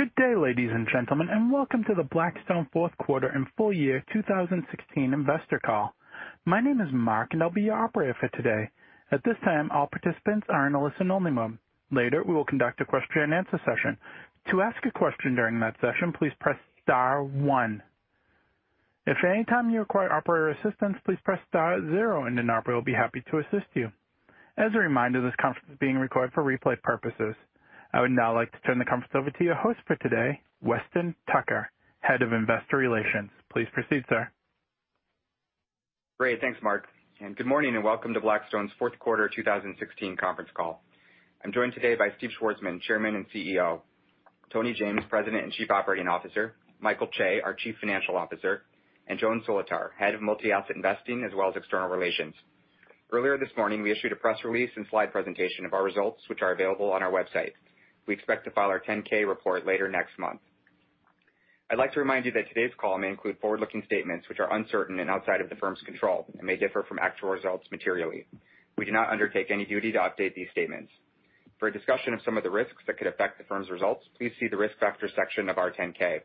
Good day, ladies and gentlemen, and welcome to the Blackstone fourth quarter and full year 2016 investor call. My name is Mark, and I'll be your operator for today. At this time, all participants are in a listen-only mode. Later, we will conduct a question and answer session. To ask a question during that session, please press star one. If at any time you require operator assistance, please press star zero, and an operator will be happy to assist you. As a reminder, this conference is being recorded for replay purposes. I would now like to turn the conference over to your host for today, Weston Tucker, Head of Investor Relations. Please proceed, sir. Great. Thanks, Mark, and good morning, and welcome to Blackstone's fourth quarter 2016 conference call. I'm joined today by Steve Schwarzman, Chairman and CEO; Tony James, President and Chief Operating Officer; Michael Chae, our Chief Financial Officer; and Joan Solotar, Head of Multi-Asset Investing as well as External Relations. Earlier this morning, we issued a press release and slide presentation of our results, which are available on our website. We expect to file our 10-K report later next month. I'd like to remind you that today's call may include forward-looking statements, which are uncertain and outside of the firm's control and may differ from actual results materially. We do not undertake any duty to update these statements. For a discussion of some of the risks that could affect the firm's results, please see the Risk Factors section of our 10-K.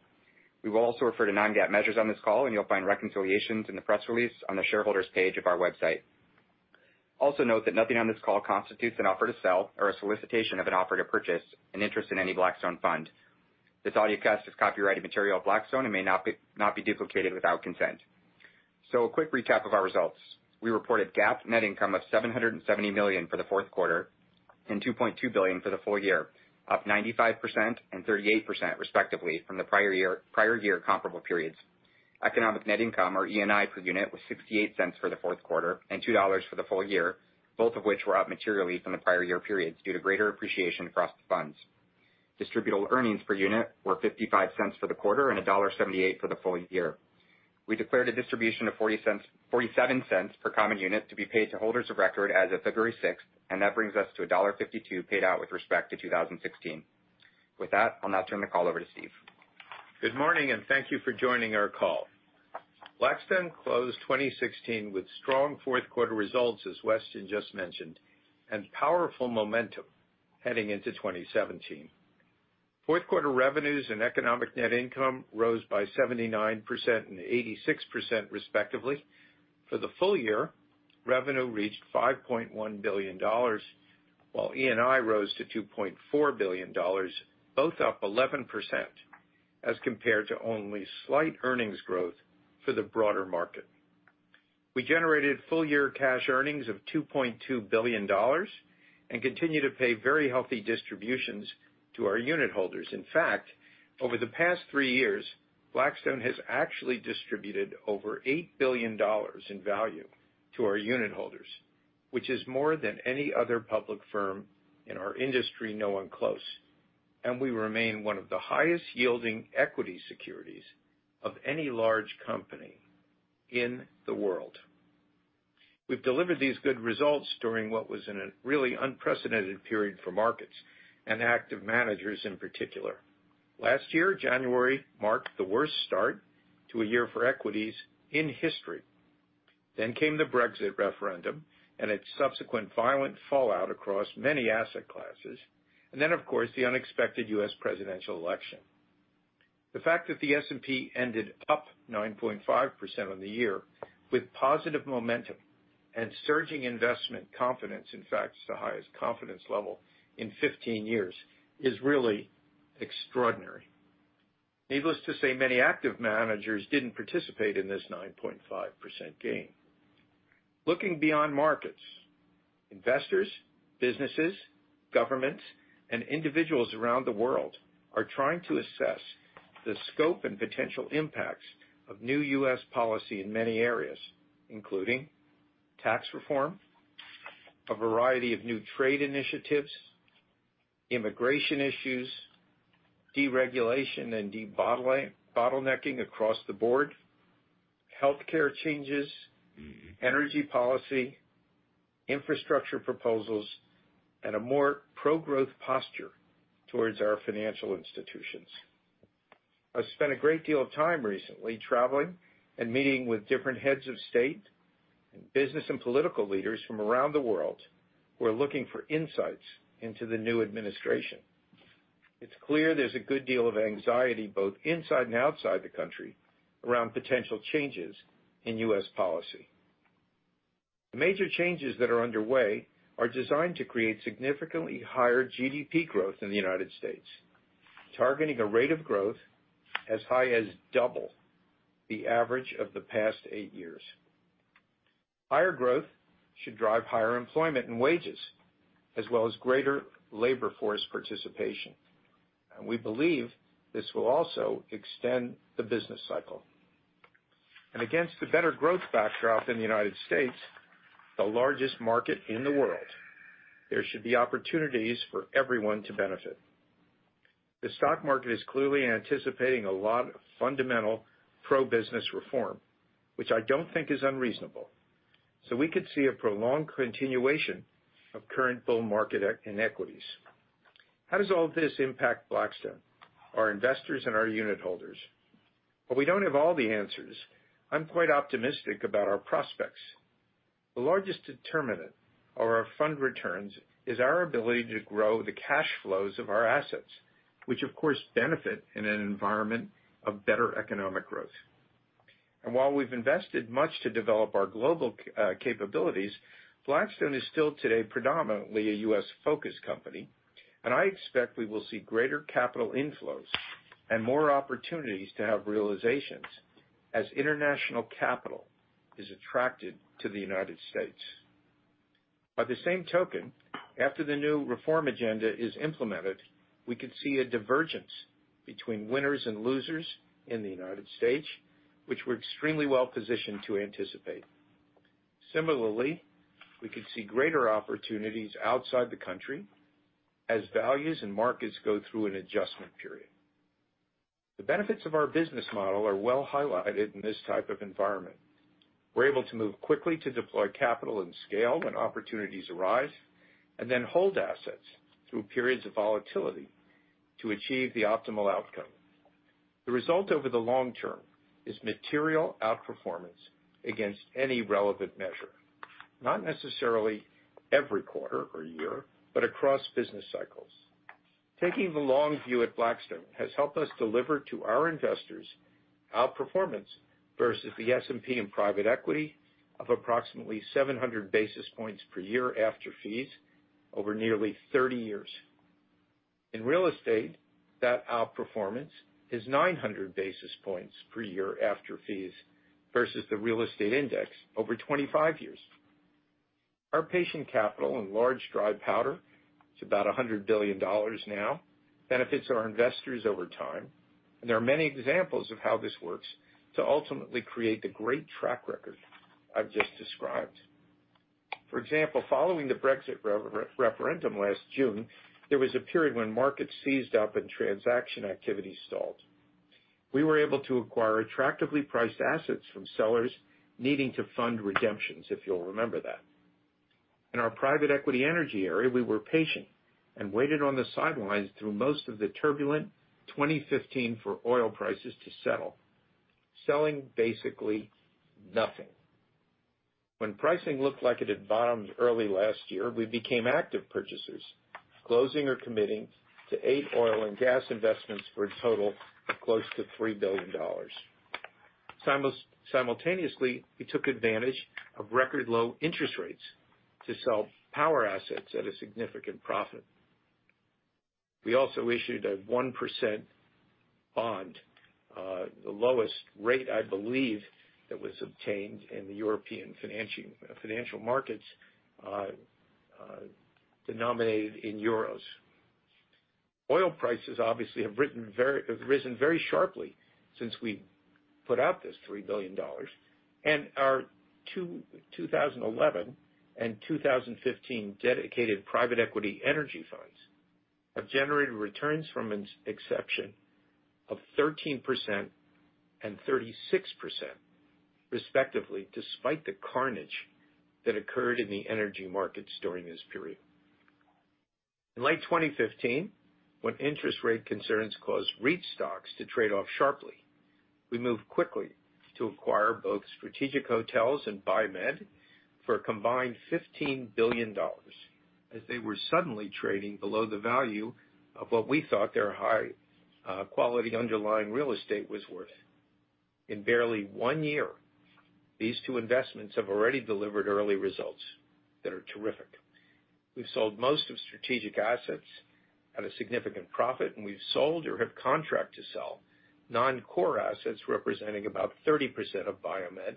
We will also refer to non-GAAP measures on this call, and you'll find reconciliations in the press release on the Shareholders page of our website. Also note that nothing on this call constitutes an offer to sell or a solicitation of an offer to purchase an interest in any Blackstone fund. This audio cast is copyrighted material of Blackstone and may not be duplicated without consent. A quick recap of our results. We reported GAAP net income of $770 million for the fourth quarter and $2.2 billion for the full year, up 95% and 38% respectively from the prior year comparable periods. Economic net income, or ENI per unit, was $0.68 for the fourth quarter and $2.00 for the full year, both of which were up materially from the prior year periods due to greater appreciation across the funds. Distributable earnings per unit were $0.55 for the quarter and $1.78 for the full year. We declared a distribution of $0.47 per common unit to be paid to holders of record as of February 6th, and that brings us to $1.52 paid out with respect to 2016. With that, I'll now turn the call over to Steve. Good morning, thank you for joining our call. Blackstone closed 2016 with strong fourth quarter results, as Weston just mentioned, and powerful momentum heading into 2017. Fourth quarter revenues and economic net income rose by 79% and 86%, respectively. For the full year, revenue reached $5.1 billion, while ENI rose to $2.4 billion, both up 11%, as compared to only slight earnings growth for the broader market. We generated full-year cash earnings of $2.2 billion and continue to pay very healthy distributions to our unitholders. In fact, over the past three years, Blackstone has actually distributed over $8 billion in value to our unitholders, which is more than any other public firm in our industry, no one close, and we remain one of the highest yielding equity securities of any large company in the world. We've delivered these good results during what was a really unprecedented period for markets and active managers in particular. Last year, January marked the worst start to a year for equities in history. Came the Brexit referendum and its subsequent violent fallout across many asset classes, and then, of course, the unexpected U.S. presidential election. The fact that the S&P ended up 9.5% on the year with positive momentum and surging investment confidence, in fact, the highest confidence level in 15 years, is really extraordinary. Needless to say, many active managers didn't participate in this 9.5% gain. Looking beyond markets, investors, businesses, governments, and individuals around the world are trying to assess the scope and potential impacts of new U.S. policy in many areas, including tax reform, a variety of new trade initiatives, immigration issues, deregulation and de-bottlenecking across the board, healthcare changes, energy policy, infrastructure proposals, and a more pro-growth posture towards our financial institutions. I've spent a great deal of time recently traveling and meeting with different heads of state and business and political leaders from around the world who are looking for insights into the new administration. It's clear there's a good deal of anxiety, both inside and outside the country, around potential changes in U.S. policy. The major changes that are underway are designed to create significantly higher GDP growth in the United States, targeting a rate of growth as high as double the average of the past eight years. Higher growth should drive higher employment and wages, as well as greater labor force participation. We believe this will also extend the business cycle. Against the better growth backdrop in the United States, the largest market in the world, there should be opportunities for everyone to benefit. The stock market is clearly anticipating a lot of fundamental pro-business reform, which I don't think is unreasonable. We could see a prolonged continuation of current bull market equities. How does all this impact Blackstone, our investors, and our unitholders? While we don't have all the answers, I'm quite optimistic about our prospects. The largest determinant of our fund returns is our ability to grow the cash flows of our assets, which of course, benefit in an environment of better economic growth. While we've invested much to develop our global capabilities, Blackstone is still today predominantly a U.S.-focused company, and I expect we will see greater capital inflows and more opportunities to have realizations as international capital is attracted to the United States. By the same token, after the new reform agenda is implemented, we could see a divergence between winners and losers in the United States, which we're extremely well-positioned to anticipate. Similarly, we could see greater opportunities outside the country as values and markets go through an adjustment period. The benefits of our business model are well highlighted in this type of environment. We're able to move quickly to deploy capital and scale when opportunities arise, and then hold assets through periods of volatility to achieve the optimal outcome. The result over the long term is material outperformance against any relevant measure. Not necessarily every quarter or year, but across business cycles. Taking the long view at Blackstone has helped us deliver to our investors outperformance versus the S&P and private equity of approximately 700 basis points per year after fees over nearly 30 years. In real estate, that outperformance is 900 basis points per year after fees versus the real estate index over 25 years. Our patient capital and large dry powder, it's about $100 billion now, benefits our investors over time, and there are many examples of how this works to ultimately create the great track record I've just described. For example, following the Brexit referendum last June, there was a period when markets seized up and transaction activity stalled. We were able to acquire attractively priced assets from sellers needing to fund redemptions, if you'll remember that. In our private equity energy area, we were patient and waited on the sidelines through most of the turbulent 2015 for oil prices to settle, selling basically nothing. When pricing looked like it had bottomed early last year, we became active purchasers, closing or committing to eight oil and gas investments for a total of close to $3 billion. Simultaneously, we took advantage of record low interest rates to sell power assets at a significant profit. We also issued a 1% bond, the lowest rate, I believe, that was obtained in the European financial markets, denominated in euros. Oil prices obviously have risen very sharply since we put out this $3 billion. Our 2011 and 2015 dedicated private equity energy funds have generated returns from an exception of 13% and 36%, respectively, despite the carnage that occurred in the energy markets during this period. In late 2015, when interest rate concerns caused REIT stocks to trade off sharply, we moved quickly to acquire both Strategic Hotels and BioMed for a combined $15 billion, as they were suddenly trading below the value of what we thought their high quality underlying real estate was worth. In barely one year, these two investments have already delivered early results that are terrific. We've sold most of Strategic assets at a significant profit, and we've sold or have contract to sell non-core assets representing about 30% of BioMed,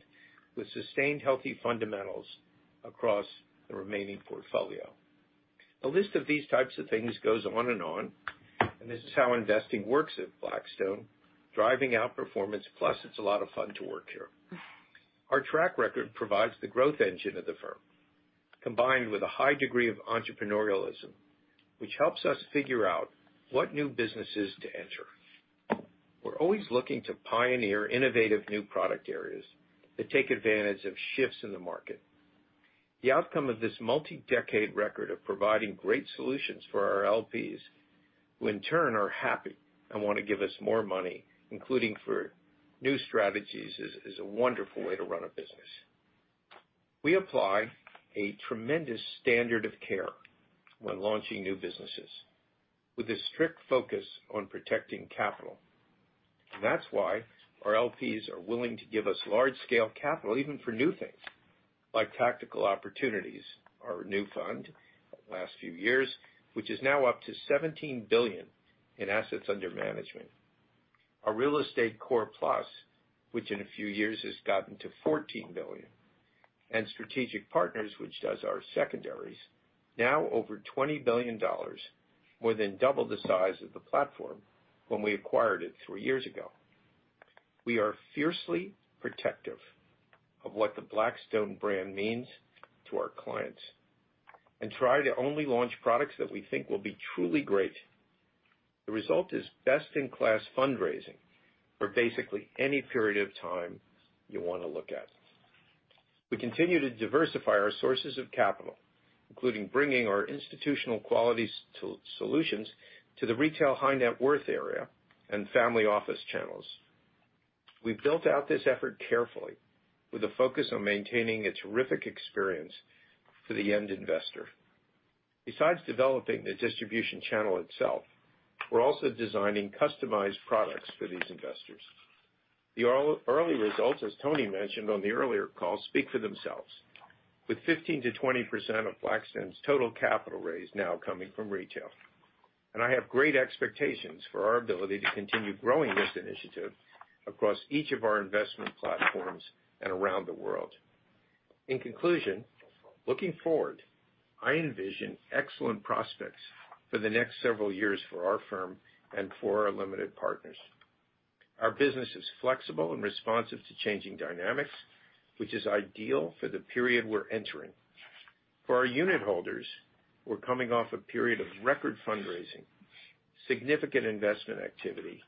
with sustained healthy fundamentals across the remaining portfolio. A list of these types of things goes on and on, this is how investing works at Blackstone, driving outperformance. Plus, it's a lot of fun to work here. Our track record provides the growth engine of the firm, combined with a high degree of entrepreneurialism, which helps us figure out what new businesses to enter. We're always looking to pioneer innovative new product areas that take advantage of shifts in the market. The outcome of this multi-decade record of providing great solutions for our LPs, who in turn are happy and want to give us more money, including for new strategies, is a wonderful way to run a business. We apply a tremendous standard of care when launching new businesses with a strict focus on protecting capital. That's why our LPs are willing to give us large scale capital even for new things like Tactical Opportunities. Our new fund, last few years, which is now up to $17 billion in assets under management. Our real estate Core Plus, which in a few years has gotten to $14 billion. Strategic Partners, which does our secondaries, now over $20 billion, more than double the size of the platform when we acquired it three years ago. We are fiercely protective of what the Blackstone brand means to our clients and try to only launch products that we think will be truly great. The result is best in class fundraising for basically any period of time you want to look at. We continue to diversify our sources of capital, including bringing our institutional quality solutions to the retail high net worth area and family office channels. We've built out this effort carefully with a focus on maintaining a terrific experience for the end investor. Besides developing the distribution channel itself, we're also designing customized products for these investors. The early results, as Tony mentioned on the earlier call, speak for themselves. With 15%-20% of Blackstone's total capital raise now coming from retail. I have great expectations for our ability to continue growing this initiative across each of our investment platforms and around the world. In conclusion, looking forward, I envision excellent prospects for the next several years for our firm and for our limited partners. Our business is flexible and responsive to changing dynamics, which is ideal for the period we're entering. For our unitholders, we're coming off a period of record fundraising, significant investment activity,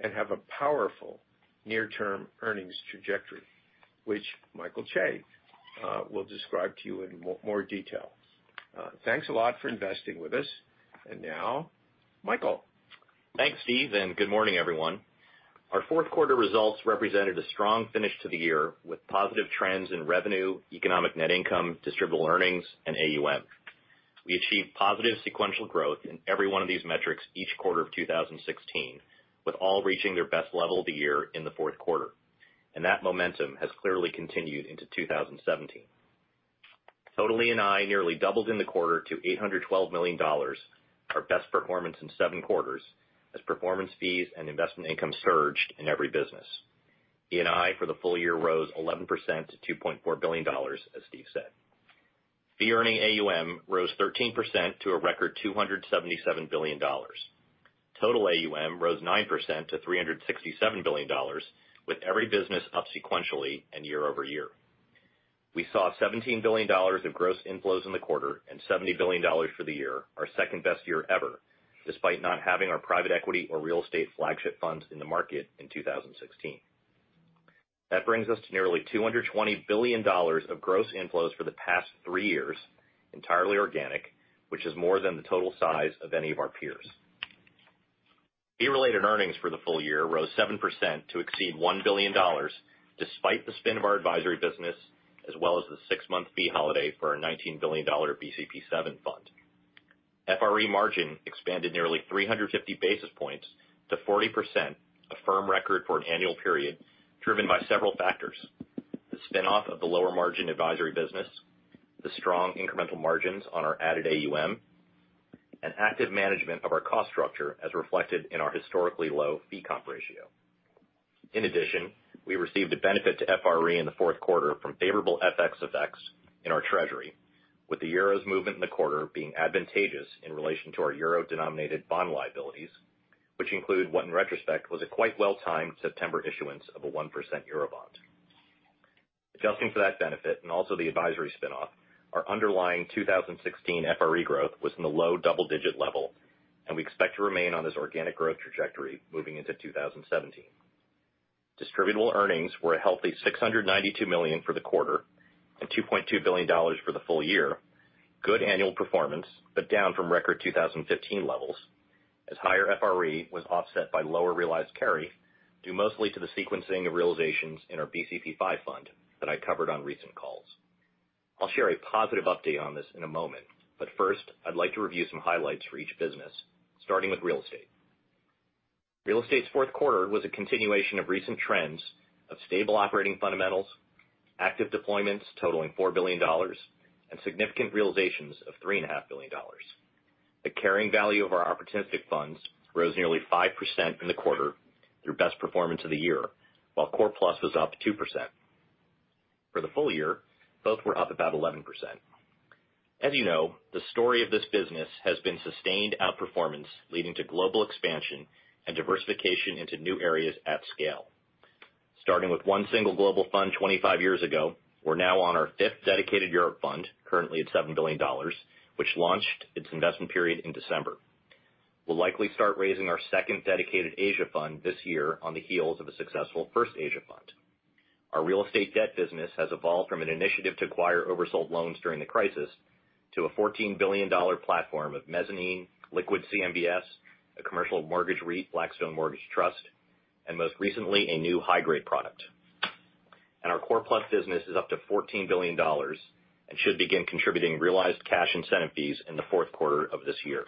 and have a powerful near-term earnings trajectory, which Michael Chae will describe to you in more detail. Thanks a lot for investing with us. Now, Michael. Thanks, Steve. Good morning, everyone. Our fourth quarter results represented a strong finish to the year with positive trends in revenue, economic net income, distributable earnings, and AUM. We achieved positive sequential growth in every one of these metrics each quarter of 2016, with all reaching their best level of the year in the fourth quarter, that momentum has clearly continued into 2017. Total ENI nearly doubled in the quarter to $812 million, our best performance in seven quarters, as performance fees and investment income surged in every business. ENI for the full year rose 11% to $2.4 billion, as Steve said. Fee earning AUM rose 13% to a record $277 billion. Total AUM rose 9% to $367 billion, with every business up sequentially and year-over-year. We saw $17 billion of gross inflows in the quarter and $70 billion for the year, our second-best year ever, despite not having our private equity or real estate flagship funds in the market in 2016. That brings us to nearly $220 billion of gross inflows for the past three years, entirely organic, which is more than the total size of any of our peers. Fee-related earnings for the full year rose 7% to exceed $1 billion, despite the spin of our advisory business, as well as the six-month fee holiday for our $19 billion BCP VII fund. FRE margin expanded nearly 350 basis points to 40%, a firm record for an annual period driven by several factors, the spin-off of the lower margin advisory business, the strong incremental margins on our added AUM, and active management of our cost structure as reflected in our historically low fee comp ratio. We received a benefit to FRE in the fourth quarter from favorable FX effects in our treasury, with the euro's movement in the quarter being advantageous in relation to our euro-denominated bond liabilities, which include what in retrospect was a quite well-timed September issuance of a 1% euro bond. Adjusting for that benefit and also the advisory spin-off, our underlying 2016 FRE growth was in the low double-digit level, and we expect to remain on this organic growth trajectory moving into 2017. Distributable earnings were a healthy $692 million for the quarter and $2.2 billion for the full year. Good annual performance, down from record 2015 levels as higher FRE was offset by lower realized carry, due mostly to the sequencing of realizations in our BCP V fund that I covered on recent calls. I'll share a positive update on this in a moment, first, I'd like to review some highlights for each business, starting with real estate. Real estate's fourth quarter was a continuation of recent trends of stable operating fundamentals, active deployments totaling $4 billion and significant realizations of $3.5 billion. The carrying value of our opportunistic funds rose nearly 5% in the quarter through best performance of the year, while Core Plus was up 2%. For the full year, both were up about 11%. As you know, the story of this business has been sustained outperformance, leading to global expansion and diversification into new areas at scale. Starting with one single global fund 25 years ago, we're now on our fifth dedicated Europe fund, currently at $7 billion, which launched its investment period in December. We'll likely start raising our second dedicated Asia fund this year on the heels of a successful first Asia fund. Our real estate debt business has evolved from an initiative to acquire oversold loans during the crisis to a $14 billion platform of mezzanine liquid CMBS, a commercial mortgage REIT, Blackstone Mortgage Trust, and most recently, a new high-grade product. Our Core Plus business is up to $14 billion and should begin contributing realized cash incentive fees in the fourth quarter of this year.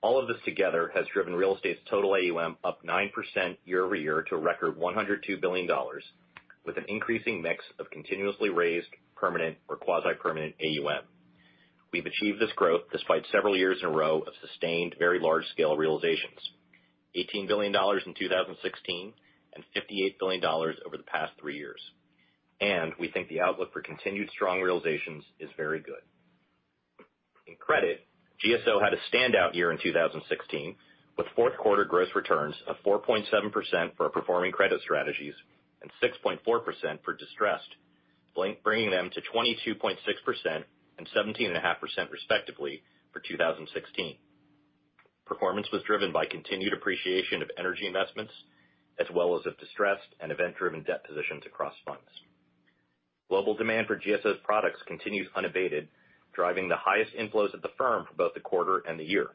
All of this together has driven real estate's total AUM up 9% year-over-year to a record $102 billion, with an increasing mix of continuously raised permanent or quasi-permanent AUM. We've achieved this growth despite several years in a row of sustained very large-scale realizations. $18 billion in 2016 and $58 billion over the past three years. We think the outlook for continued strong realizations is very good. In credit, GSO had a standout year in 2016, with fourth quarter gross returns of 4.7% for our performing credit strategies and 6.4% for distressed, bringing them to 22.6% and 17.5% respectively for 2016. Performance was driven by continued appreciation of energy investments as well as of distressed and event-driven debt positions across funds. Global demand for GSO's products continues unabated, driving the highest inflows of the firm for both the quarter and the year.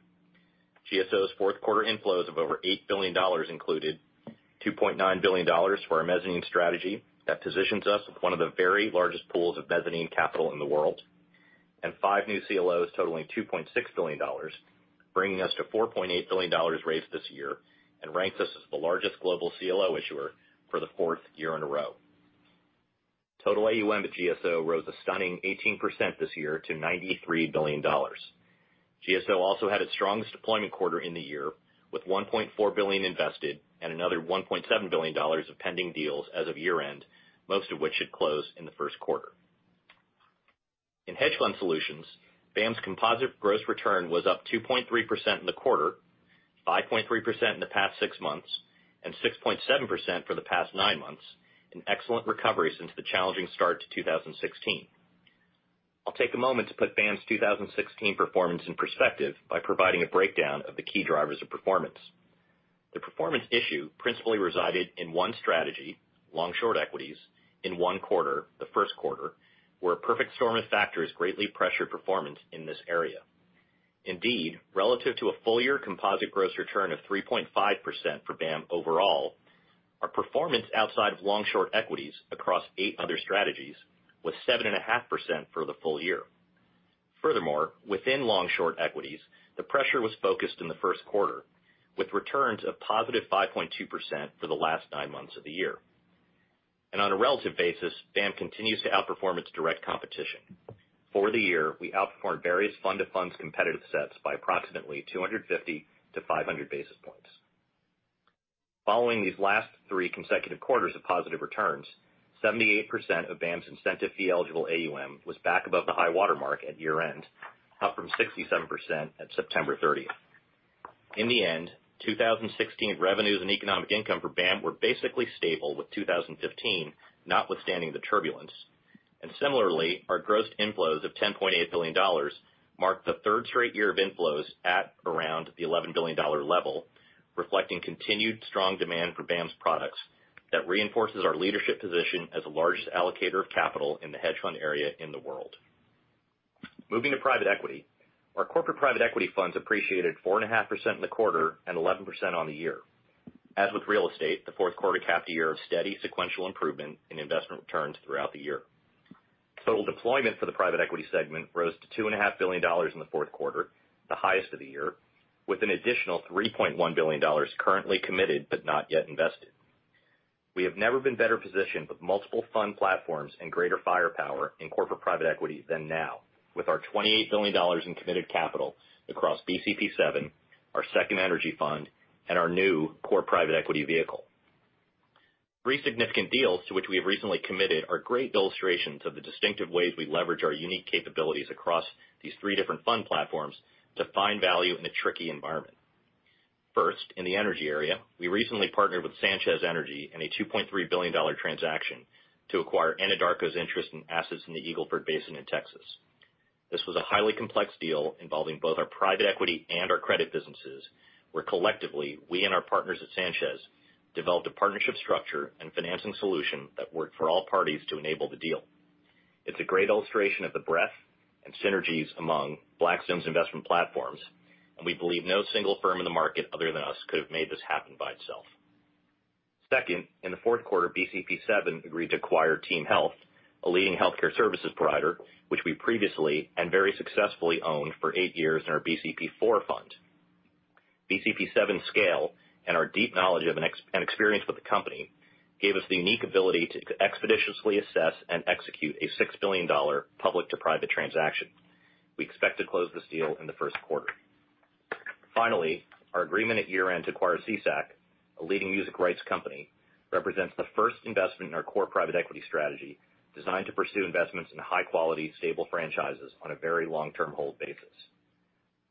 GSO's fourth quarter inflows of over $8 billion included $2.9 billion for our mezzanine strategy. That positions us with one of the very largest pools of mezzanine capital in the world, and five new CLOs totaling $2.6 billion, bringing us to $4.8 billion raised this year, and ranks us as the largest global CLO issuer for the fourth year in a row. Total AUM at GSO rose a stunning 18% this year to $93 billion. GSO also had its strongest deployment quarter in the year, with $1.4 billion invested and another $1.7 billion of pending deals as of year-end, most of which should close in the first quarter. In hedge fund solutions, BAAM's composite gross return was up 2.3% in the quarter, 5.3% in the past six months, and 6.7% for the past nine months, an excellent recovery since the challenging start to 2016. I'll take a moment to put BAAM's 2016 performance in perspective by providing a breakdown of the key drivers of performance. The performance issue principally resided in one strategy, long-short equities, in one quarter, the first quarter, where a perfect storm of factors greatly pressured performance in this area. Indeed, relative to a full year composite gross return of 3.5% for BAAM overall, our performance outside of long-short equities across eight other strategies was 7.5% for the full year. Furthermore, within long-short equities, the pressure was focused in the first quarter, with returns of positive 5.2% for the last nine months of the year. On a relative basis, BAAM continues to outperform its direct competition. For the year, we outperformed various fund of funds competitive sets by approximately 250 to 500 basis points. Following these last three consecutive quarters of positive returns, 78% of BAAM's incentive fee-eligible AUM was back above the high water mark at year-end, up from 67% at September 30th. In the end, 2016 revenues and economic income for BAAM were basically stable with 2015, notwithstanding the turbulence. Similarly, our gross inflows of $10.8 billion marked the third straight year of inflows at around the $11 billion level, reflecting continued strong demand for BAAM's products that reinforces our leadership position as the largest allocator of capital in the hedge fund area in the world. Moving to private equity, our corporate private equity funds appreciated 4.5% in the quarter and 11% on the year. As with real estate, the fourth quarter capped a year of steady sequential improvement in investment returns throughout the year. Total deployment for the private equity segment rose to $2.5 billion in the fourth quarter, the highest of the year, with an additional $3.1 billion currently committed but not yet invested. We have never been better positioned with multiple fund platforms and greater firepower in corporate private equity than now, with our $28 billion in committed capital across BCP VII, our second energy fund, and our new core private equity vehicle. Three significant deals to which we have recently committed are great illustrations of the distinctive ways we leverage our unique capabilities across these three different fund platforms to find value in a tricky environment. First, in the energy area, we recently partnered with Sanchez Energy in a $2.3 billion transaction to acquire Anadarko's interest in assets in the Eagle Ford Basin in Texas. This was a highly complex deal involving both our private equity and our credit businesses, where collectively, we and our partners at Sanchez developed a partnership structure and financing solution that worked for all parties to enable the deal. It's a great illustration of the breadth and synergies among Blackstone's investment platforms. We believe no single firm in the market other than us could have made this happen by itself. Second, in the fourth quarter, BCP VII agreed to acquire TeamHealth, a leading healthcare services provider, which we previously and very successfully owned for eight years in our BCP IV fund. BCP VII's scale and our deep knowledge and experience with the company gave us the unique ability to expeditiously assess and execute a $6 billion public to private transaction. We expect to close this deal in the first quarter. Finally, our agreement at year-end to acquire SESAC, a leading music rights company, represents the first investment in our core private equity strategy, designed to pursue investments in high-quality, stable franchises on a very long-term hold basis.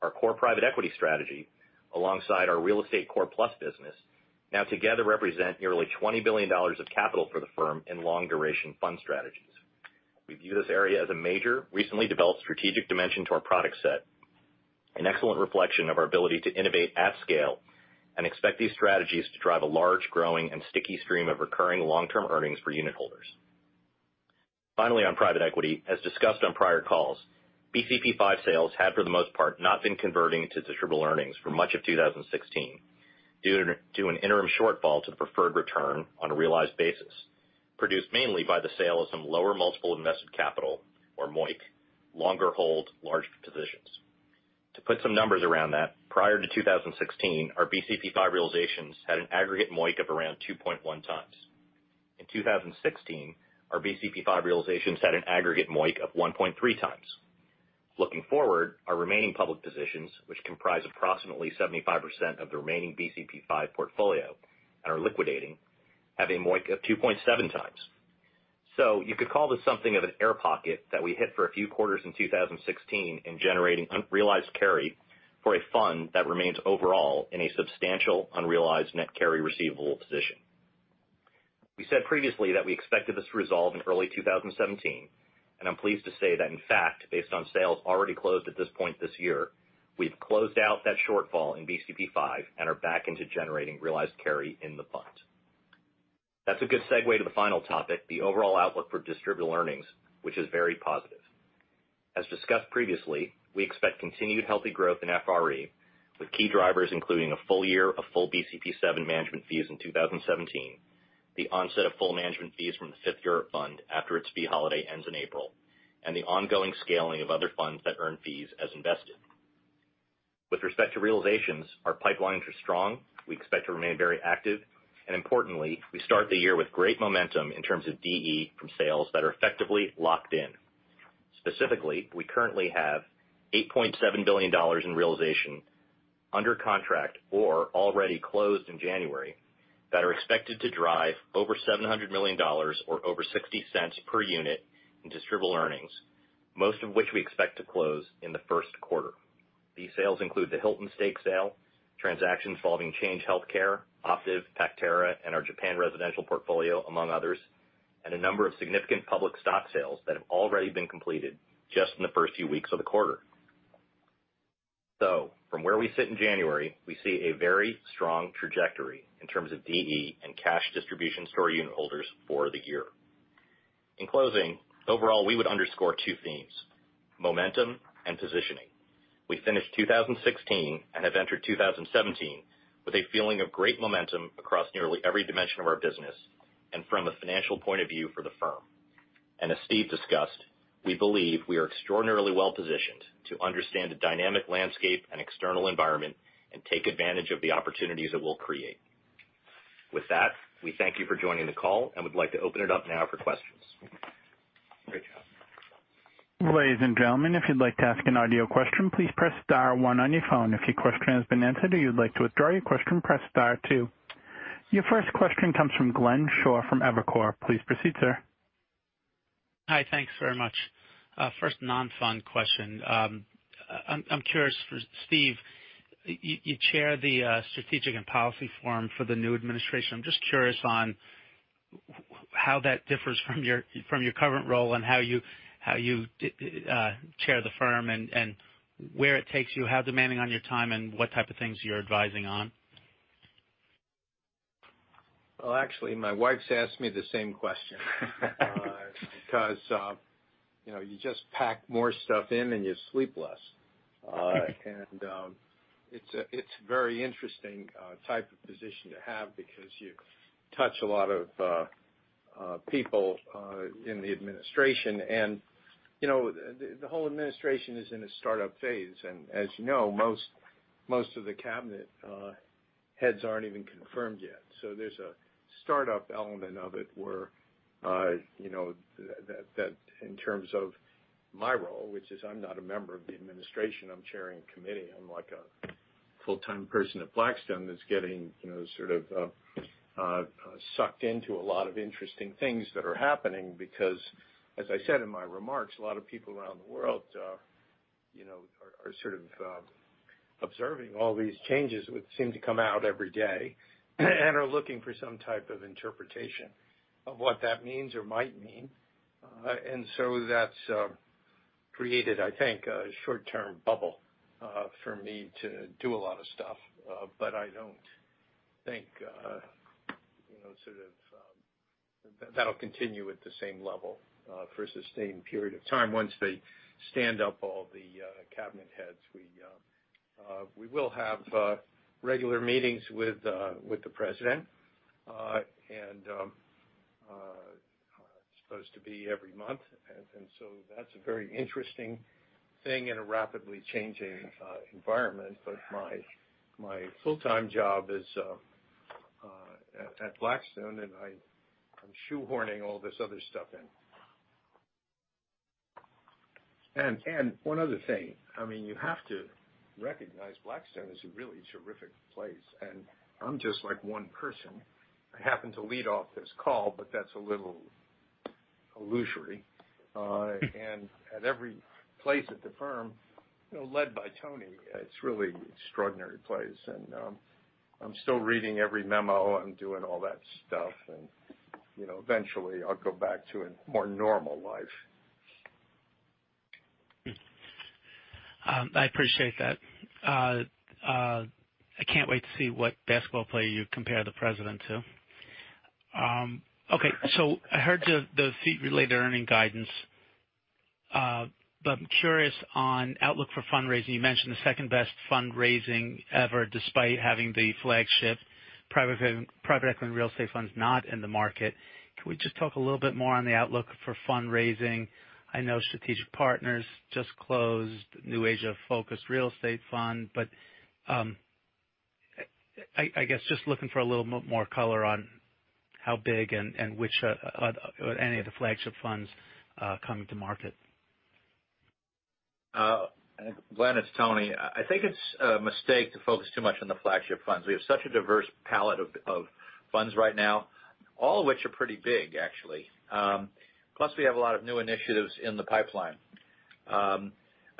Our Core Private Equity strategy, alongside our Real Estate Core Plus business, now together represent nearly $20 billion of capital for the firm in long-duration fund strategies. We view this area as a major, recently developed strategic dimension to our product set, an excellent reflection of our ability to innovate at scale. Expect these strategies to drive a large, growing, and sticky stream of recurring long-term earnings for unitholders. Finally, on private equity, as discussed on prior calls, BCP V sales had for the most part not been converting to distributable earnings for much of 2016 due to an interim shortfall to the preferred return on a realized basis, produced mainly by the sale of some lower multiple of invested capital, or MOIC, longer-hold, larger positions. To put some numbers around that, prior to 2016, our BCP V realizations had an aggregate MOIC of around 2.1 times. In 2016, our BCP V realizations had an aggregate MOIC of 1.3 times. Looking forward, our remaining public positions, which comprise approximately 75% of the remaining BCP V portfolio and are liquidating, have a MOIC of 2.7 times. You could call this something of an air pocket that we hit for a few quarters in 2016 in generating unrealized carry for a fund that remains overall in a substantial unrealized net carry receivable position. We said previously that we expected this to resolve in early 2017. I'm pleased to say that in fact, based on sales already closed at this point this year, we've closed out that shortfall in BCP V and are back into generating realized carry in the fund. That's a good segue to the final topic, the overall outlook for distributable earnings, which is very positive. As discussed previously, we expect continued healthy growth in FRE, with key drivers including a full year of full BCP VII management fees in 2017, the onset of full management fees from the fifth Europe fund after its fee holiday ends in April, and the ongoing scaling of other funds that earn fees as invested. With respect to realizations, our pipelines are strong. We expect to remain very active, and importantly, we start the year with great momentum in terms of DE from sales that are effectively locked in. Specifically, we currently have $8.7 billion in realization under contract or already closed in January that are expected to drive over $700 million or over $0.60 per unit in distributable earnings, most of which we expect to close in the first quarter. These sales include the Hilton stake sale, transactions involving Change Healthcare, Optiv, Pactera, and our Japan residential portfolio, among others, and a number of significant public stock sales that have already been completed just in the first few weeks of the quarter. From where we sit in January, we see a very strong trajectory in terms of DE and cash distribution to our unitholders for the year. In closing, overall, we would underscore two themes, momentum and positioning. We finished 2016 and have entered 2017 with a feeling of great momentum across nearly every dimension of our business and from a financial point of view for the firm. As Steve discussed, we believe we are extraordinarily well-positioned to understand the dynamic landscape and external environment and take advantage of the opportunities it will create. With that, we thank you for joining the call and would like to open it up now for questions. Great job. Ladies and gentlemen, if you'd like to ask an audio question, please press star one on your phone. If your question has been answered or you'd like to withdraw your question, press star two. Your first question comes from Glenn Schorr from Evercore. Please proceed, sir. Hi. Thanks very much. First non-fund question. I'm curious for Steve, you chair the Strategic and Policy Forum for the new administration. I'm just curious on how that differs from your current role and how you chair the firm and where it takes you, how demanding on your time, and what type of things you're advising on. Well, actually, my wife's asked me the same question. You just pack more stuff in and you sleep less. It's a very interesting type of position to have because you touch a lot of people in the administration. The whole administration is in a startup phase. As you know, most of the cabinet heads aren't even confirmed yet. There's a startup element of it where, that in terms of my role, which is I'm not a member of the administration, I'm chairing a committee. I'm like a full-time person at Blackstone that's getting sort of sucked into a lot of interesting things that are happening because, as I said in my remarks, a lot of people around the world are sort of observing all these changes, which seem to come out every day, and are looking for some type of interpretation of what that means or might mean. That's created, I think, a short-term bubble for me to do a lot of stuff. I don't think that'll continue at the same level for a sustained period of time once they stand up all the cabinet heads. We will have regular meetings with the president, and it's supposed to be every month. That's a very interesting thing in a rapidly changing environment. My full-time job is at Blackstone, and I'm shoehorning all this other stuff in. One other thing, you have to recognize Blackstone is a really terrific place, and I'm just one person. I happen to lead off this call, but that's a little illusory. At every place at the firm, led by Tony, it's really an extraordinary place. I'm still reading every memo. I'm doing all that stuff. Eventually I'll go back to a more normal life. I appreciate that. I can't wait to see what basketball player you compare the president to. Okay. I heard the fee-related earning guidance. I'm curious on outlook for fundraising. You mentioned the second-best fundraising ever despite having the flagship private equity and real estate funds not in the market. Can we just talk a little bit more on the outlook for fundraising? I know Strategic Partners just closed New Asia Focused Real Estate Fund, but I guess just looking for a little more color on how big and which, any of the flagship funds are coming to market. Glenn, it's Tony. I think it's a mistake to focus too much on the flagship funds. We have such a diverse palette of funds right now, all of which are pretty big, actually. Plus, we have a lot of new initiatives in the pipeline. I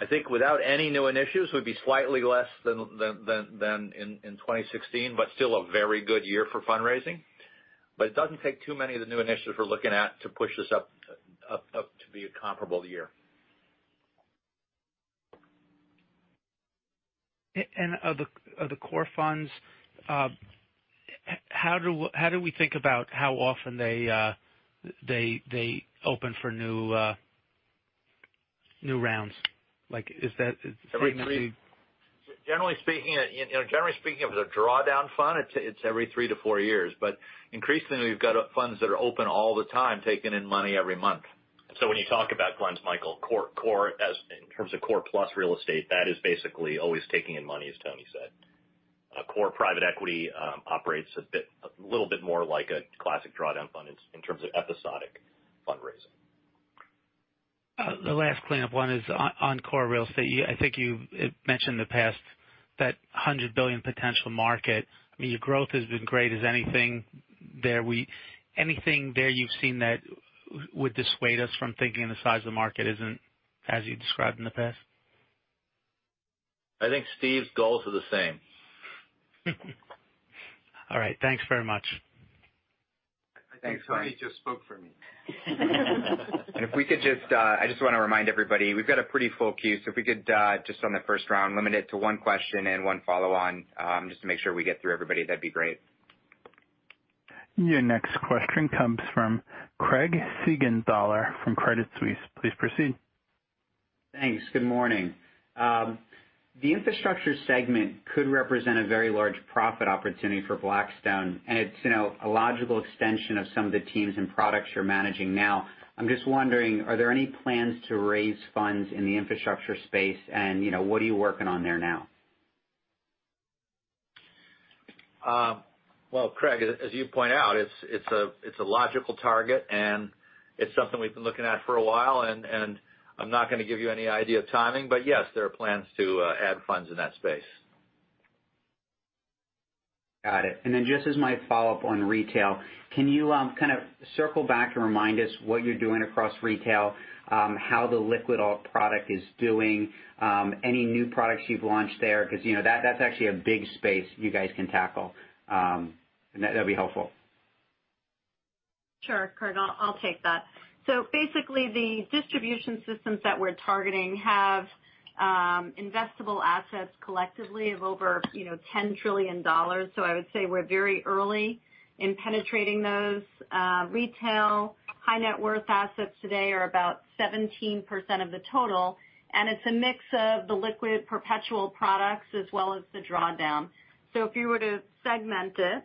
think without any new initiatives, we'd be slightly less than in 2016, but still a very good year for fundraising. It doesn't take too many of the new initiatives we're looking at to push this up to be a comparable year. Of the core funds, how do we think about how often they open for new rounds? Is that frequently? Generally speaking, it was a drawdown fund. It's every three to four years, but increasingly, we've got funds that are open all the time, taking in money every month. When you talk about funds, Michael, in terms of Core Plus real estate, that is basically always taking in money, as Tony said. Core private equity operates a little bit more like a classic drawdown fund in terms of episodic fundraising. The last cleanup one is on core real estate. I think you've mentioned in the past that $100 billion potential market. Your growth has been great. Is anything there you've seen that would dissuade us from thinking the size of the market isn't as you described in the past? I think Steve's goals are the same. All right. Thanks very much. Thanks, Glenn. I think Tony just spoke for me. I just want to remind everybody, we've got a pretty full queue, so if we could, just on the first round, limit it to one question and one follow-on, just to make sure we get through everybody, that'd be great. Your next question comes from Craig Siegenthaler from Credit Suisse. Please proceed. Thanks. Good morning. The infrastructure segment could represent a very large profit opportunity for Blackstone, and it's a logical extension of some of the teams and products you're managing now. I'm just wondering, are there any plans to raise funds in the infrastructure space, and what are you working on there now? Well, Craig, as you point out, it's a logical target, and it's something we've been looking at for a while, and I'm not going to give you any idea of timing, but yes, there are plans to add funds in that space. Got it. Just as my follow-up on retail, can you circle back to remind us what you're doing across retail, how the liquid alt product is doing, any new products you've launched there? That's actually a big space you guys can tackle. That'd be helpful. Sure, Craig, I'll take that. Basically, the distribution systems that we're targeting have investable assets collectively of over $10 trillion. I would say we're very early in penetrating those. Retail high net worth assets today are about 17% of the total, and it's a mix of the liquid perpetual products as well as the drawdown. If you were to segment it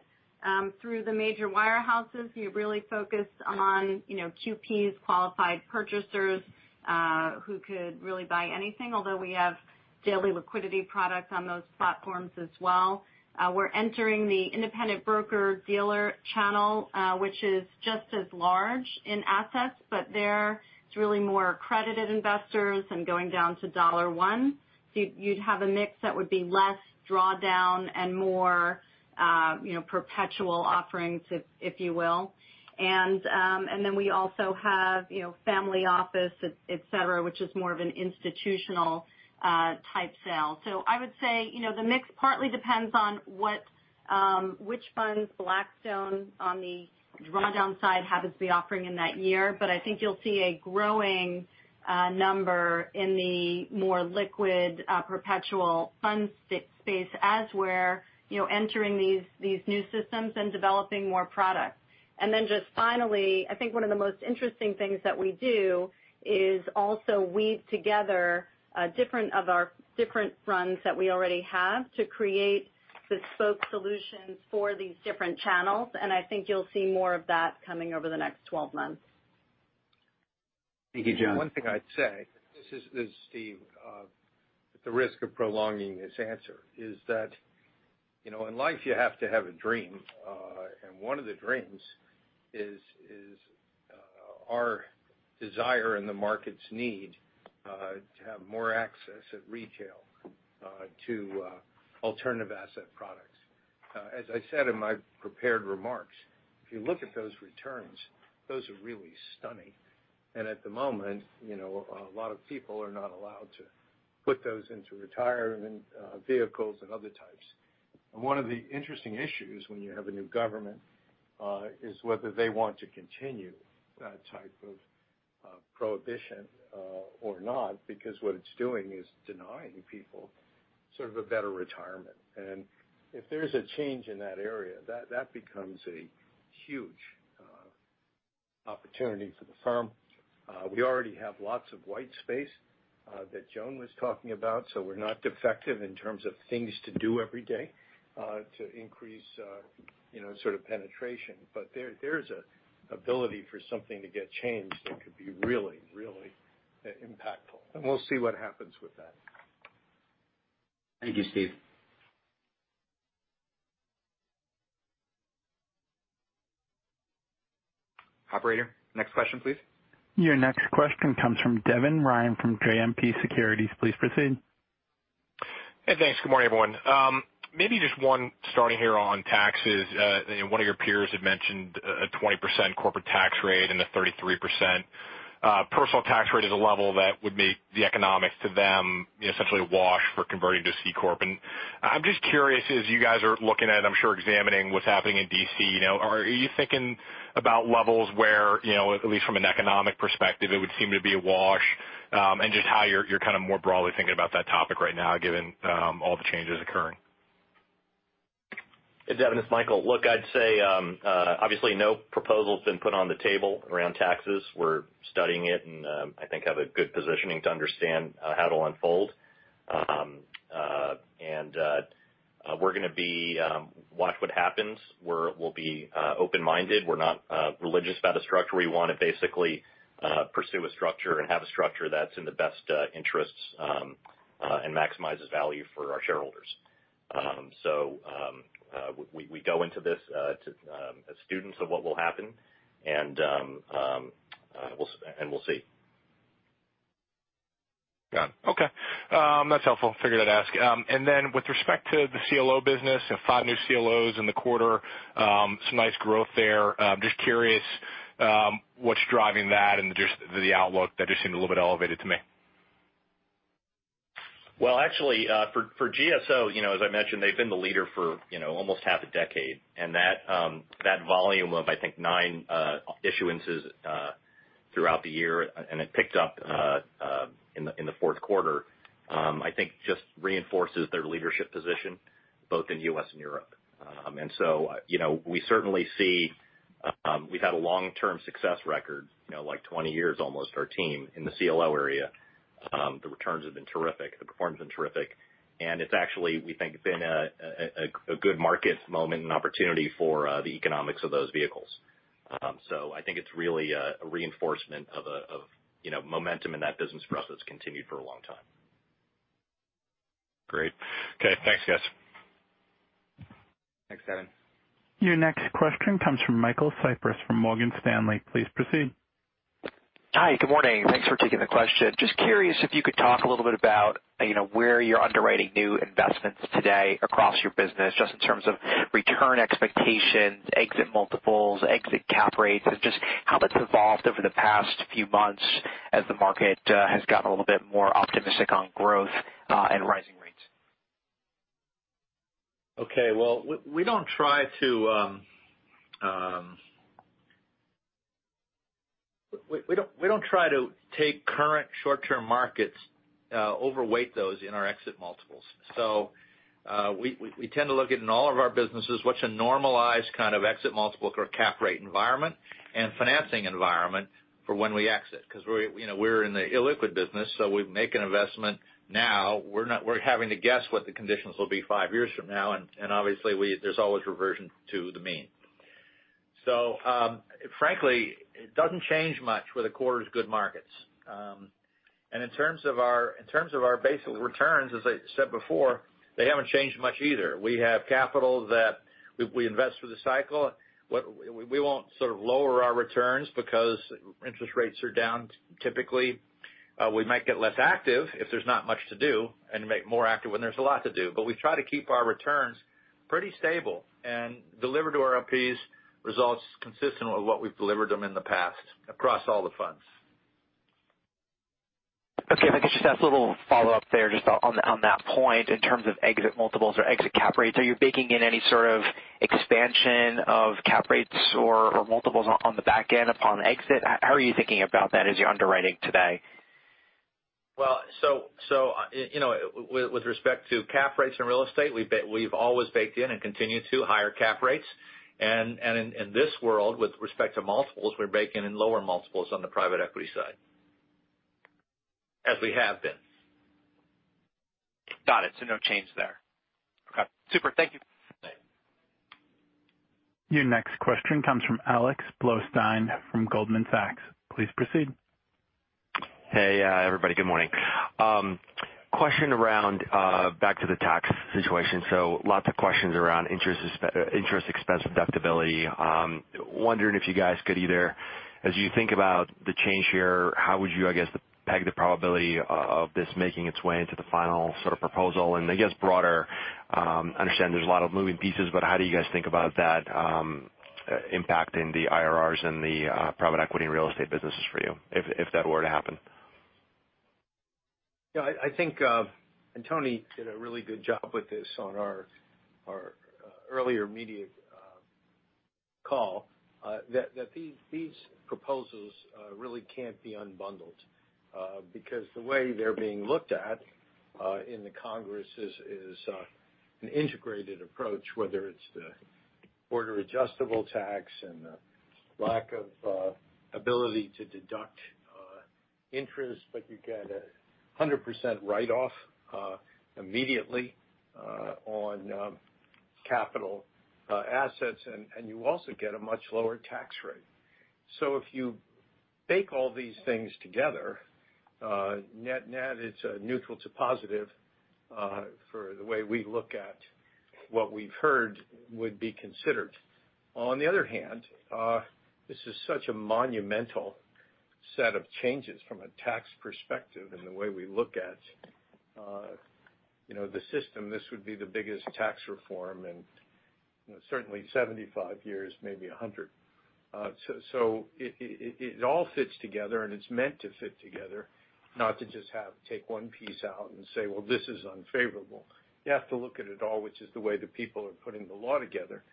through the major wirehouses, you really focus on QPs, qualified purchasers, who could really buy anything, although we have daily liquidity products on those platforms as well. We're entering the independent broker dealer channel, which is just as large in assets, but there it's really more accredited investors and going down to dollar one. You'd have a mix that would be less drawdown and more perpetual offerings, if you will. We also have family office, et cetera, which is more of an institutional type sale. I would say, the mix partly depends on which funds Blackstone on the drawdown side happens to be offering in that year. I think you'll see a growing number in the more liquid perpetual fund space as we're entering these new systems and developing more products. Just finally, I think one of the most interesting things that we do is also weave together different runs that we already have to create bespoke solutions for these different channels. I think you'll see more of that coming over the next 12 months. Thank you, Joan. One thing I'd say, this is Steve, at the risk of prolonging this answer, is that in life, you have to have a dream. One of the dreams is our desire, and the market's need to have more access at retail to alternative asset products. As I said in my prepared remarks, if you look at those returns, those are really stunning. At the moment, a lot of people are not allowed to put those into retirement vehicles and other types. One of the interesting issues when you have a new government, is whether they want to continue that type of prohibition or not, because what it's doing is denying people sort of a better retirement. If there's a change in that area, that becomes a huge opportunity for the firm. We already have lots of white space that Joan was talking about. We're not defective in terms of things to do every day to increase penetration. There's an ability for something to get changed that could be really impactful, and we'll see what happens with that. Thank you, Steve. Operator, next question, please. Your next question comes from Devin Ryan from JMP Securities. Please proceed. Hey, thanks. Good morning, everyone. Maybe just one starting here on taxes. One of your peers had mentioned a 20% corporate tax rate and a 33% personal tax rate is a level that would make the economics to them essentially wash for converting to C corp. I'm just curious, as you guys are looking at, I'm sure, examining what's happening in D.C., are you thinking about levels where, at least from an economic perspective, it would seem to be a wash? Just how you're kind of more broadly thinking about that topic right now, given all the changes occurring. Hey, Devin, it's Michael. Look, I'd say, obviously no proposal's been put on the table around taxes. We're studying it and I think have a good positioning to understand how it'll unfold. We're going to watch what happens. We'll be open-minded. We're not religious about a structure. We want to basically pursue a structure and have a structure that's in the best interests, and maximizes value for our shareholders. We go into this as students of what will happen, and we'll see. Got it. Okay. That's helpful. Figured I'd ask. With respect to the CLO business and five new CLOs in the quarter, some nice growth there. Just curious, what's driving that and just the outlook that just seemed a little bit elevated to me. Actually, for GSO, as I mentioned, they've been the leader for almost half a decade. That volume of, I think, nine issuances throughout the year, and it picked up in the fourth quarter, I think just reinforces their leadership position both in the U.S. and Europe. We certainly see, we've had a long-term success record, like 20 years almost, our team in the CLO area. The returns have been terrific. The performance's been terrific. It's actually, we think, been a good market moment and opportunity for the economics of those vehicles. I think it's really a reinforcement of momentum in that business for us that's continued for a long time. Great. Okay. Thanks, guys. Thanks, Devin. Your next question comes from Michael Cyprys from Morgan Stanley. Please proceed. Hi. Good morning. Thanks for taking the question. Just curious if you could talk a little bit about where you're underwriting new investments today across your business, just in terms of return expectations, exit multiples, exit cap rates, and just how that's evolved over the past few months as the market has gotten a little bit more optimistic on growth, and rising rates. Okay. Well, we don't try to take current short-term markets, over-weight those in our exit multiples. We tend to look at, in all of our businesses, what's a normalized kind of exit multiple or cap rate environment and financing environment for when we exit. We're in the illiquid business, so we make an investment now. We're having to guess what the conditions will be five years from now, and obviously there's always reversion to the mean. Frankly, it doesn't change much whether quarter is good markets. In terms of our basic returns, as I said before, they haven't changed much either. We have capital that we invest through the cycle. We won't sort of lower our returns because interest rates are down, typically. We might get less active if there's not much to do and make more active when there's a lot to do. We try to keep our returns pretty stable and deliver to our LPs results consistent with what we've delivered them in the past across all the funds. Okay. If I could just ask a little follow-up there just on that point. In terms of exit multiples or exit cap rates, are you baking in any sort of expansion of cap rates or multiples on the back end upon exit? How are you thinking about that as you're underwriting today? Well, with respect to cap rates in real estate, we've always baked in and continue to higher cap rates. In this world, with respect to multiples, we're baking in lower multiples on the private equity side. As we have been. Got it. No change there. Okay. Super. Thank you. Thanks. Your next question comes from Alex Blostein from Goldman Sachs. Please proceed. Hey, everybody. Good morning. Question around back to the tax situation. Lots of questions around interest expense deductibility. Wondering if you guys could either, as you think about the change here, how would you, I guess, peg the probability of this making its way into the final sort of proposal and, I guess, broader. I understand there's a lot of moving pieces, but how do you guys think about that impacting the IRRs and the private equity and real estate businesses for you, if that were to happen? Yeah, I think, and Tony did a really good job with this on our earlier media call, that these proposals really can't be unbundled. Because the way they're being looked at in the Congress is an integrated approach, whether it's the border-adjustable tax and the lack of ability to deduct interest, but you get 100% write-off immediately on capital assets, and you also get a much lower tax rate. If you bake all these things together, net, it's neutral to positive for the way we look at what we've heard would be considered. On the other hand, this is such a monumental Set of changes from a tax perspective and the way we look at the system. This would be the biggest tax reform in certainly 75 years, maybe 100. It all fits together, and it's meant to fit together, not to just take one piece out and say, "Well, this is unfavorable." You have to look at it all, which is the way the people are putting the law together,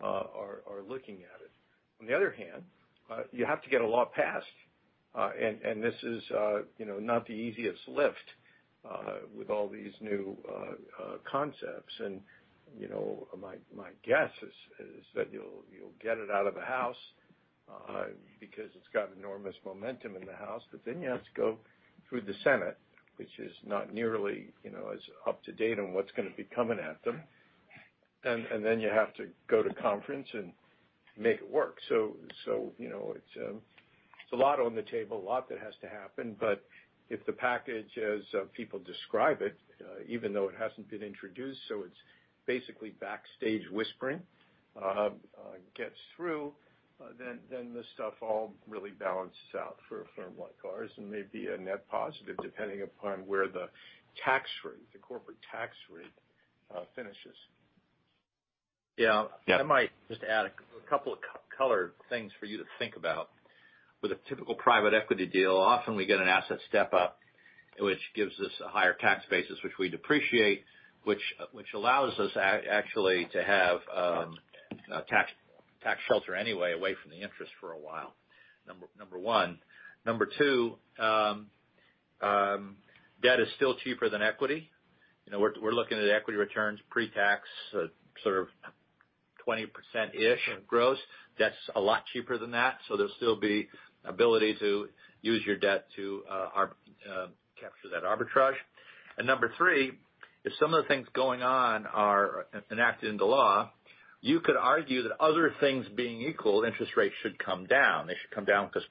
are looking at it. On the other hand, you have to get a law passed. This is not the easiest lift with all these new concepts. My guess is that you'll get it out of the House, because it's got enormous momentum in the House. You have to go through the Senate, which is not nearly as up to date on what's going to be coming at them. You have to go to conference and make it work. It's a lot on the table, a lot that has to happen. If the package, as people describe it, even though it hasn't been introduced, it's basically backstage whispering, gets through, this stuff all really balances out for a firm like ours and may be a net positive depending upon where the corporate tax rate finishes. Yeah. Yeah. I might just add a couple of color things for you to think about. With a typical private equity deal, often we get an asset step up, which gives us a higher tax basis, which we depreciate, which allows us actually to have tax shelter anyway, away from the interest for a while. Number one. Number two, debt is still cheaper than equity. We're looking at equity returns pre-tax sort of 20%-ish gross. That's a lot cheaper than that. There'll still be ability to use your debt to capture that arbitrage. Number three, if some of the things going on are enacted into law, you could argue that other things being equal, interest rates should come down. They should come down because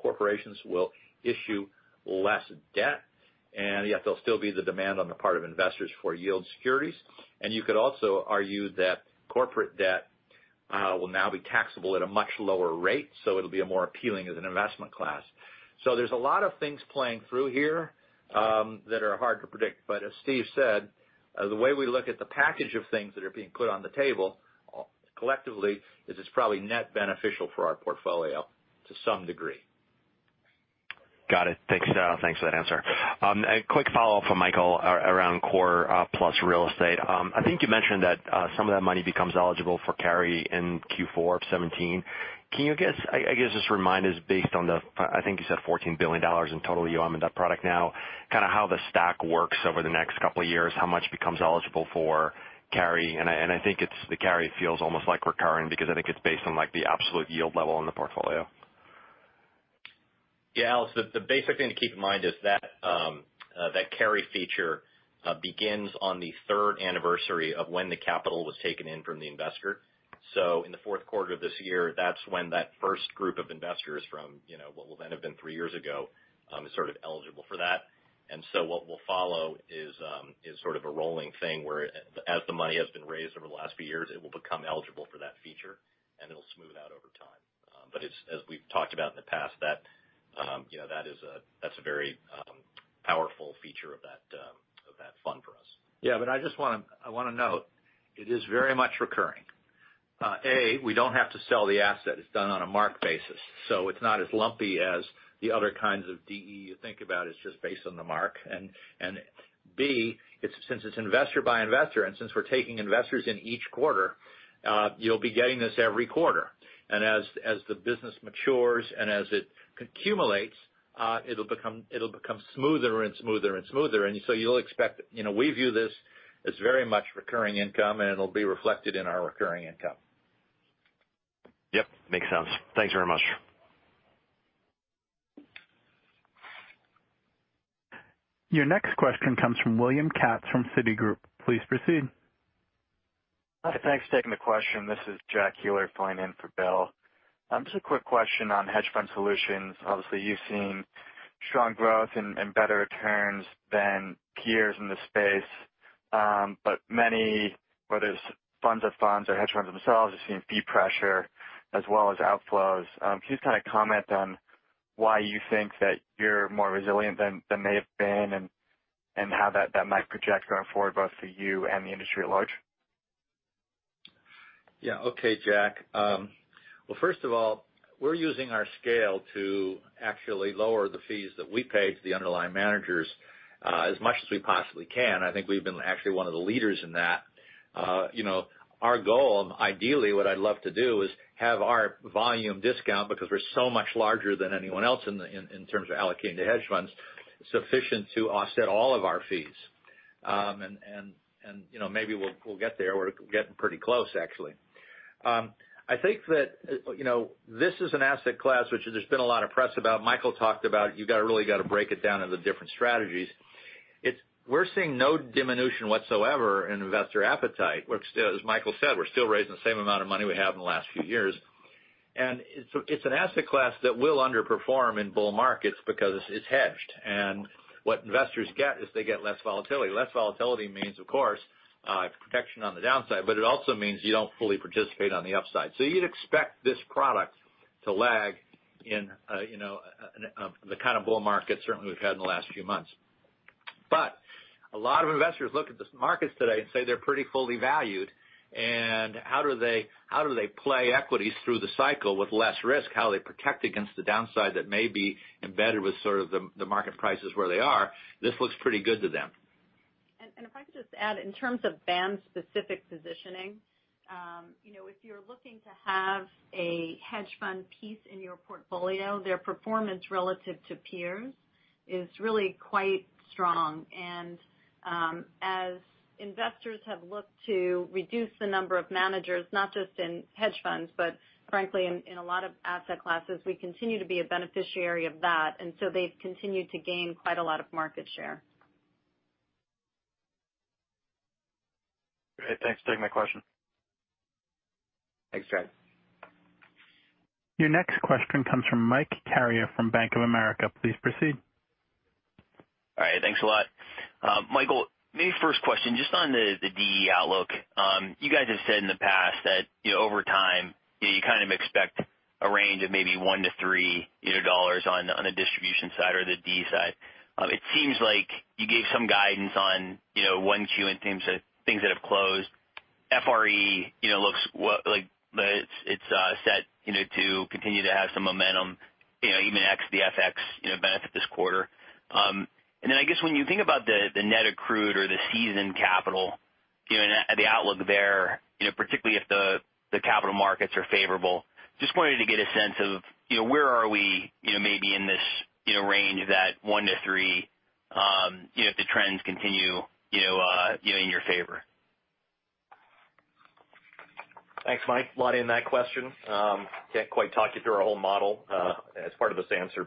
corporations will issue less debt. Yet there'll still be the demand on the part of investors for yield securities. You could also argue that corporate debt will now be taxable at a much lower rate, it'll be more appealing as an investment class. There's a lot of things playing through here that are hard to predict. As Steve said, the way we look at the package of things that are being put on the table collectively is it's probably net beneficial for our portfolio to some degree. Got it. Thanks for that answer. A quick follow-up from Michael around core plus real estate. I think you mentioned that some of that money becomes eligible for carry in Q4 of 2017. Can you, I guess, just remind us based on the, I think you said $14 billion in total AUM in that product now, how the stack works over the next couple of years, how much becomes eligible for carry? I think the carry feels almost recurring because I think it's based on the absolute yield level in the portfolio. Yeah, Alex, the basic thing to keep in mind is that carry feature begins on the third anniversary of when the capital was taken in from the investor. In the fourth quarter of this year, that's when that first group of investors from what will then have been three years ago, is sort of eligible for that. What will follow is sort of a rolling thing where as the money has been raised over the last few years, it will become eligible for that feature and it'll smooth out over time. As we've talked about in the past, that's a very powerful feature of that fund for us. Yeah. I just want to note, it is very much recurring. A, we don't have to sell the asset. It's done on a mark basis. It's not as lumpy as the other kinds of DE you think about. It's just based on the mark. B, since it's investor by investor, and since we're taking investors in each quarter, you'll be getting this every quarter. As the business matures and as it accumulates, it'll become smoother and smoother and smoother. We view this as very much recurring income, and it'll be reflected in our recurring income. Yep. Makes sense. Thanks very much. Your next question comes from William Katz from Citigroup. Please proceed. Thanks. Taking the question. This is Jack Keeler pulling in for Bill. Just a quick question on hedge fund solutions. Obviously, you've seen strong growth and better returns than peers in the space. Many, whether it's funds of funds or hedge funds themselves, have seen fee pressure as well as outflows. Can you kind of comment on why you think that you're more resilient than they have been and how that might project going forward, both for you and the industry at large? Yeah. Okay, Jack. Well, first of all, we're using our scale to actually lower the fees that we pay to the underlying managers as much as we possibly can. I think we've been actually one of the leaders in that. Our goal, ideally, what I'd love to do is have our volume discount because we're so much larger than anyone else in terms of allocating to hedge funds, sufficient to offset all of our fees. Maybe we'll get there. We're getting pretty close, actually. I think that this is an asset class which there's been a lot of press about. Michael talked about, you've really got to break it down into different strategies. We're seeing no diminution whatsoever in investor appetite. As Michael said, we're still raising the same amount of money we have in the last few years. It's an asset class that will underperform in bull markets because it's hedged. What investors get is they get less volatility. Less volatility means, of course, protection on the downside, but it also means you don't fully participate on the upside. You'd expect this product to lag in the kind of bull market certainly we've had in the last few months. A lot of investors look at the markets today and say they're pretty fully valued. How do they play equities through the cycle with less risk? How do they protect against the downside that may be embedded with sort of the market prices where they are? This looks pretty good to them. If I could just add, in terms of BAAM-specific positioning. If you're looking to have a hedge fund piece in your portfolio, their performance relative to peers is really quite strong. As investors have looked to reduce the number of managers, not just in hedge funds, but frankly, in a lot of asset classes, we continue to be a beneficiary of that. So they've continued to gain quite a lot of market share. Great. Thanks for taking my question. Thanks, Jack. Your next question comes from Mike Carrier from Bank of America. Please proceed. All right. Thanks a lot. Michael Chae, maybe first question just on the DE outlook. You guys have said in the past that over time, you kind of expect a range of maybe $1-$3 either dollars on the distribution side or the DE side. It seems like you gave some guidance on 1Q in terms of things that have closed. FRE looks like it's set to continue to have some momentum, even ex the FX benefit this quarter. When you think about the net accrued or the seasoned capital, the outlook there, particularly if the capital markets are favorable, just wanted to get a sense of where are we maybe in this range of that $1-$3 if the trends continue in your favor. Thanks, Mike Carrier. A lot in that question. Can't quite talk you through our whole model as part of this answer.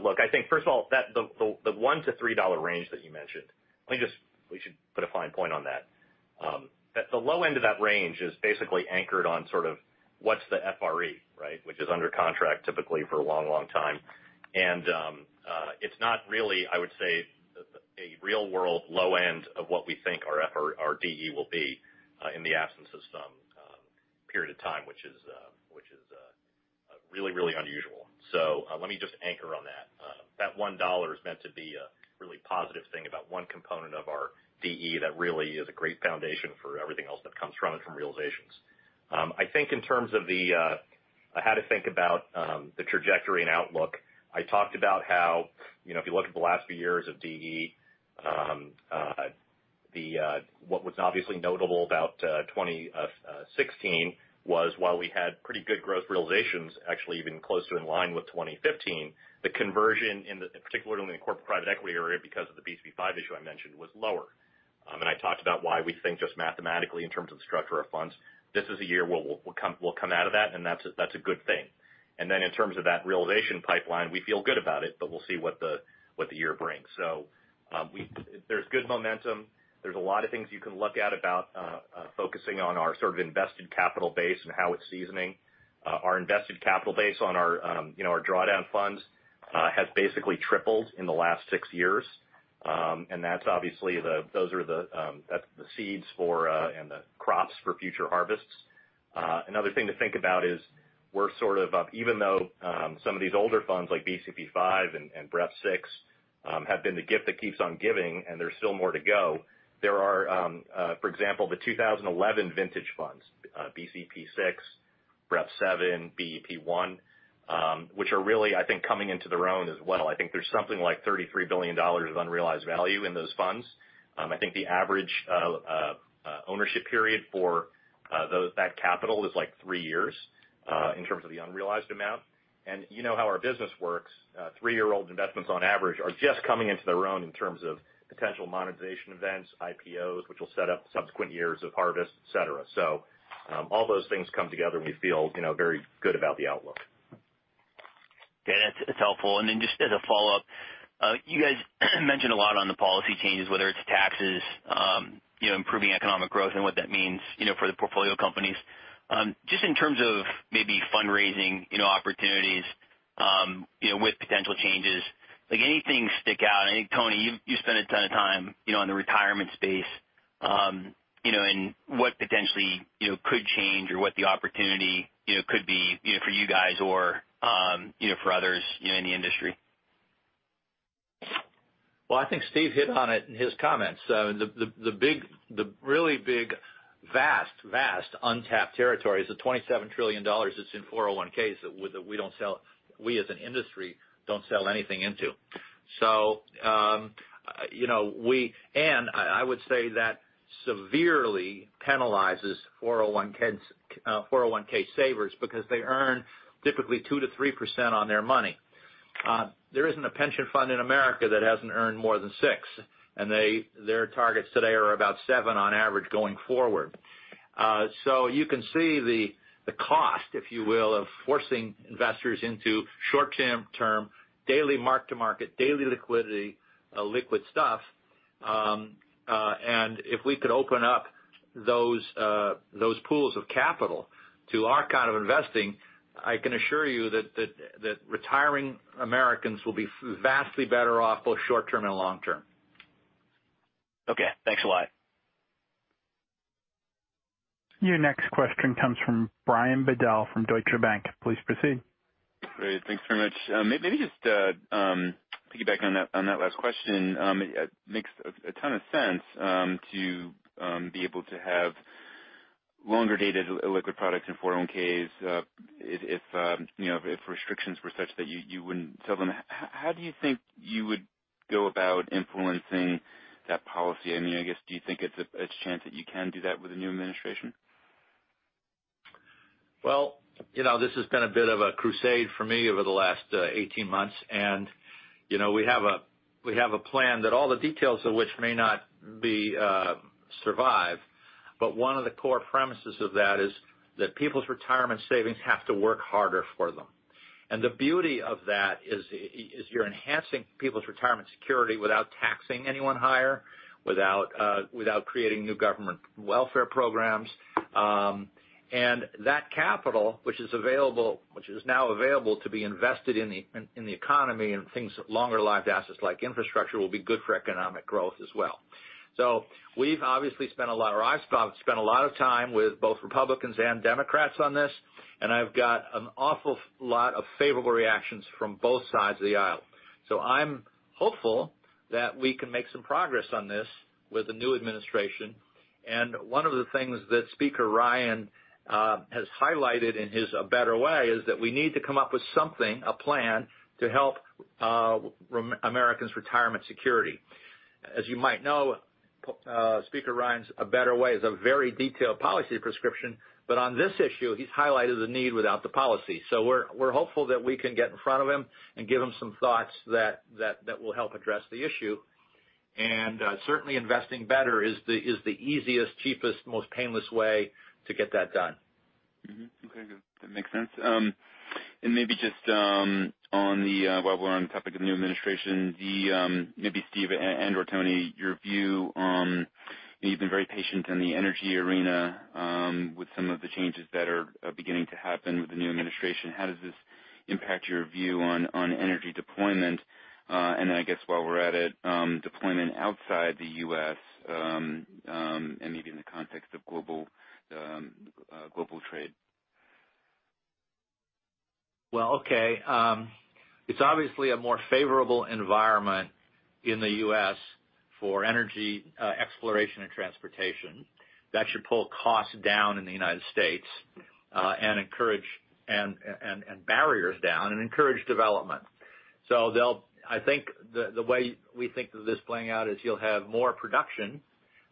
Look, I think first of all, the $1-$3 range that you mentioned, we should put a fine point on that. The low end of that range is basically anchored on sort of what's the FRE, right? Which is under contract typically for a long time. It's not really, I would say, a real-world low end of what we think our DE will be in the absence of some period of time which is really unusual. Let me just anchor on that. That $1 is meant to be a really positive thing about one component of our DE that really is a great foundation for everything else that comes from it, from realizations. I think in terms of how to think about the trajectory and outlook, I talked about how if you look at the last few years of DE, what was obviously notable about 2016 was while we had pretty good growth realizations, actually even closer in line with 2015, the conversion in particular in the corporate private equity area because of the BCP V issue I mentioned was lower. I talked about why we think just mathematically in terms of the structure of funds, this is a year where we'll come out of that, and that's a good thing. In terms of that realization pipeline, we feel good about it, but we'll see what the year brings. There's good momentum. There's a lot of things you can look at about focusing on our sort of invested capital base and how it's seasoning. Our invested capital base on our drawdown funds has basically tripled in the last six years. That's obviously the seeds for and the crops for future harvests. Another thing to think about is we're sort of even though some of these older funds like BCP V and BREP VI have been the gift that keeps on giving and there's still more to go. There are, for example, the 2011 vintage funds, BCP VI, BREP VII, BEP I which are really, I think coming into their own as well. I think there's something like $33 billion of unrealized value in those funds. I think the average ownership period for that capital is like three years in terms of the unrealized amount. You know how our business works. three-year-old investments on average are just coming into their own in terms of potential monetization events, IPOs, which will set up subsequent years of harvest, et cetera. All those things come together, and we feel very good about the outlook. Yeah. It's helpful. Just as a follow-up, you guys mentioned a lot on the policy changes, whether it's taxes, improving economic growth and what that means for the portfolio companies. Just in terms of maybe fundraising opportunities with potential changes. Anything stick out? I think, Tony, you spend a ton of time in the retirement space. What potentially could change or what the opportunity could be for you guys or for others in the industry. Well, I think Steve hit on it in his comments. The really big, vast untapped territory is the $27 trillion that's in 401s that we as an industry don't sell anything into. I would say that severely penalizes 401 savers because they earn typically two to 3% on their money. There isn't a pension fund in America that hasn't earned more than six, and their targets today are about seven on average going forward. You can see the cost, if you will, of forcing investors into short-term, daily mark-to-market, daily liquidity, liquid stuff. If we could open up those pools of capital to our kind of investing, I can assure you that retiring Americans will be vastly better off both short-term and long-term. Okay. Thanks a lot. Your next question comes from Brian Bedell from Deutsche Bank. Please proceed. Great. Thanks very much. Just to piggyback on that last question. It makes a ton of sense to be able to have longer dated liquid products in 401(k)s, if restrictions were such that you wouldn't sell them. How do you think you would go about influencing that policy? Do you think it's a chance that you can do that with the new administration? This has been a bit of a crusade for me over the last 18 months. We have a plan that all the details of which may not survive, but one of the core premises of that is that people's retirement savings have to work harder for them. The beauty of that is, you're enhancing people's retirement security without taxing anyone higher, without creating new government welfare programs. That capital, which is now available to be invested in the economy and things, longer lived assets like infrastructure, will be good for economic growth as well. We've obviously spent a lot of, or I've spent a lot of time with both Republicans and Democrats on this, and I've got an awful lot of favorable reactions from both sides of the aisle. I'm hopeful that we can make some progress on this with the new administration. One of the things that Speaker Ryan has highlighted in his A Better Way, is that we need to come up with something, a plan, to help Americans' retirement security. As you might know, Speaker Ryan's A Better Way is a very detailed policy prescription. On this issue, he's highlighted the need without the policy. We're hopeful that we can get in front of him and give him some thoughts that will help address the issue. Certainly investing better is the easiest, cheapest, most painless way to get that done. Mm-hmm. Okay, good. That makes sense. Maybe just while we're on the topic of new administration, maybe Steve and/or Tony, your view on, you've been very patient in the energy arena with some of the changes that are beginning to happen with the new administration. How does this impact your view on energy deployment? I guess while we're at it, deployment outside the U.S., and maybe in the context of global trade. Well, okay. It's obviously a more favorable environment in the U.S. for energy exploration and transportation. That should pull costs down in the United States, and barriers down, and encourage development. I think the way we think of this playing out is you'll have more production.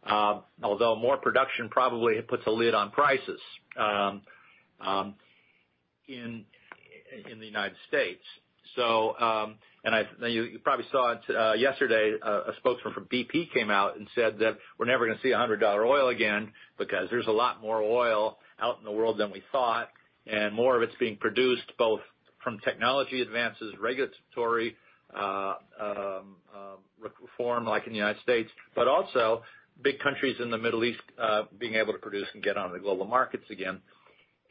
Although more production probably puts a lid on prices in the United States. You probably saw it yesterday, a spokesman from BP came out and said that we're never going to see $100 oil again because there's a lot more oil out in the world than we thought, and more of it's being produced both from technology advances, regulatory reform, like in the United States. Also big countries in the Middle East being able to produce and get onto global markets again.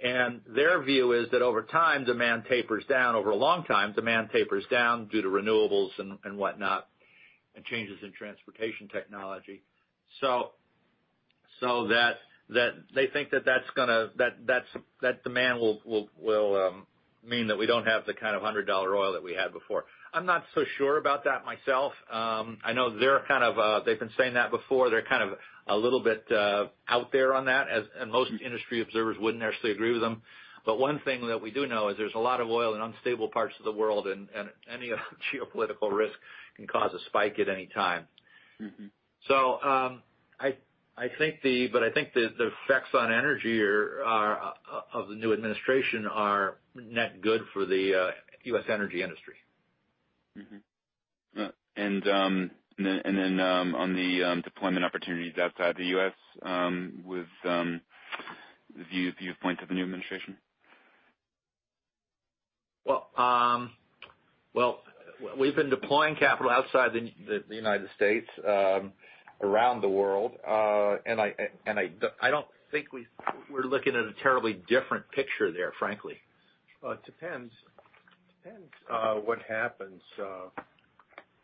Their view is that over time, demand tapers down. Over a long time, demand tapers down due to renewables and whatnot, and changes in transportation technology. They think that demand will mean that we don't have the kind of $100 oil that we had before. I'm not so sure about that myself. I know they've been saying that before. They're kind of a little bit out there on that, and most industry observers wouldn't necessarily agree with them. One thing that we do know is there's a lot of oil in unstable parts of the world, and any geopolitical risk can cause a spike at any time. I think the effects on energy of the new administration are net good for the U.S. energy industry. Mm-hmm. Then on the deployment opportunities outside the U.S. with the viewpoint of the new administration? Well, we've been deploying capital outside the United States around the world. I don't think we're looking at a terribly different picture there, frankly. Well, it depends what happens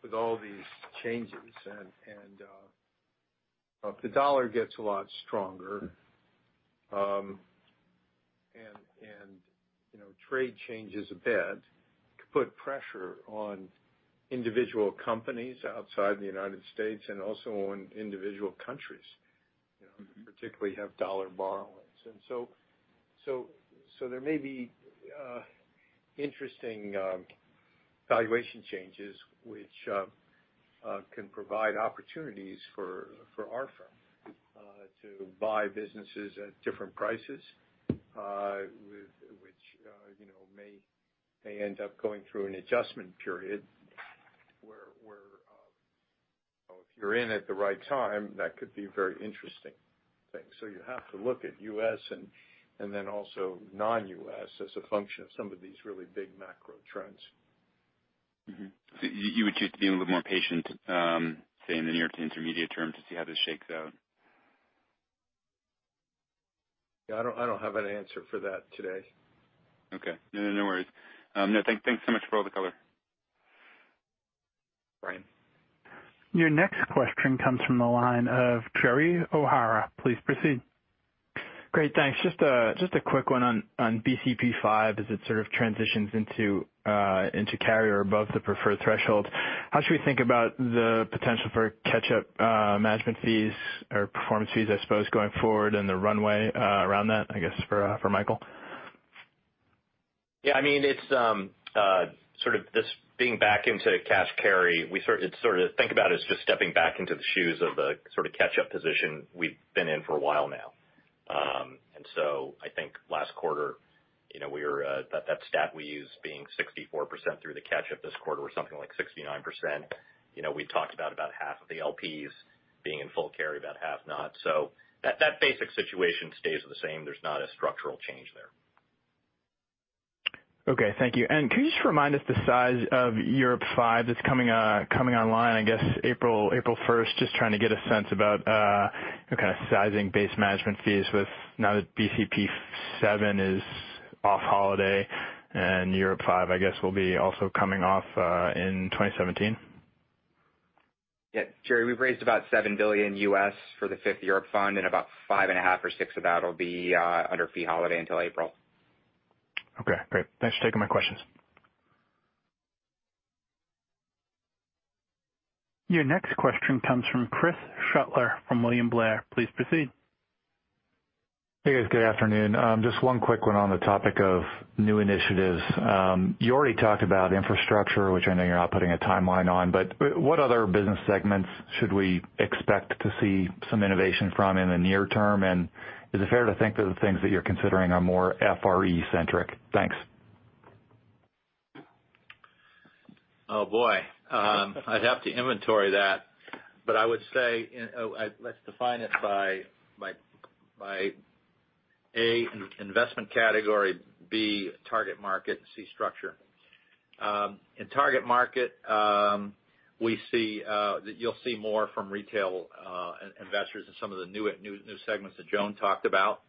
with all these changes. If the dollar gets a lot stronger, and trade changes a bit, could put pressure on individual companies outside the United States and also on individual countries, particularly have dollar borrowings. There may be interesting valuation changes which can provide opportunities for our firm to buy businesses at different prices, which may end up going through an adjustment period where, if you're in at the right time, that could be very interesting. You have to look at U.S. and then also non-U.S. as a function of some of these really big macro trends. Mm-hmm. You would just be a little more patient, say, in the near to intermediate term, to see how this shakes out? Yeah, I don't have an answer for that today. Okay. No worries. No, thanks so much for all the color. Brian. Your next question comes from the line of Gerald O'Hara. Please proceed. Great. Thanks. Just a quick one on BCP V as it sort of transitions into carry or above the preferred threshold. How should we think about the potential for catch-up management fees or performance fees, I suppose, going forward and the runway around that? I guess, for Michael. Yeah. This being back into cash carry, think about it as just stepping back into the shoes of the catch-up position we've been in for a while now. I think last quarter, that stat we use being 64% through the catch-up this quarter or something like 69%. We talked about half of the LPs being in full carry, about half not. That basic situation stays the same. There's not a structural change there. Okay. Thank you. Could you just remind us the size of Europe V that's coming online, I guess April 1st? Just trying to get a sense about kind of sizing base management fees now that BCP VII is off holiday and Europe V, I guess, will be also coming off in 2017. Yeah. Jerry, we've raised about $7 billion for the fifth Europe fund, about five and a half or six of that'll be under fee holiday until April. Okay, great. Thanks for taking my questions. Your next question comes from Chris Shutler from William Blair. Please proceed. Hey, guys. Good afternoon. Just one quick one on the topic of new initiatives. You already talked about infrastructure, which I know you're not putting a timeline on, but what other business segments should we expect to see some innovation from in the near term? Is it fair to think that the things that you're considering are more FRE centric? Thanks. Oh, boy. I'd have to inventory that, but I would say, let's define it by A, investment category, B, target market, C, structure. In target market, you'll see more from retail investors and some of the new segments that Joan talked about.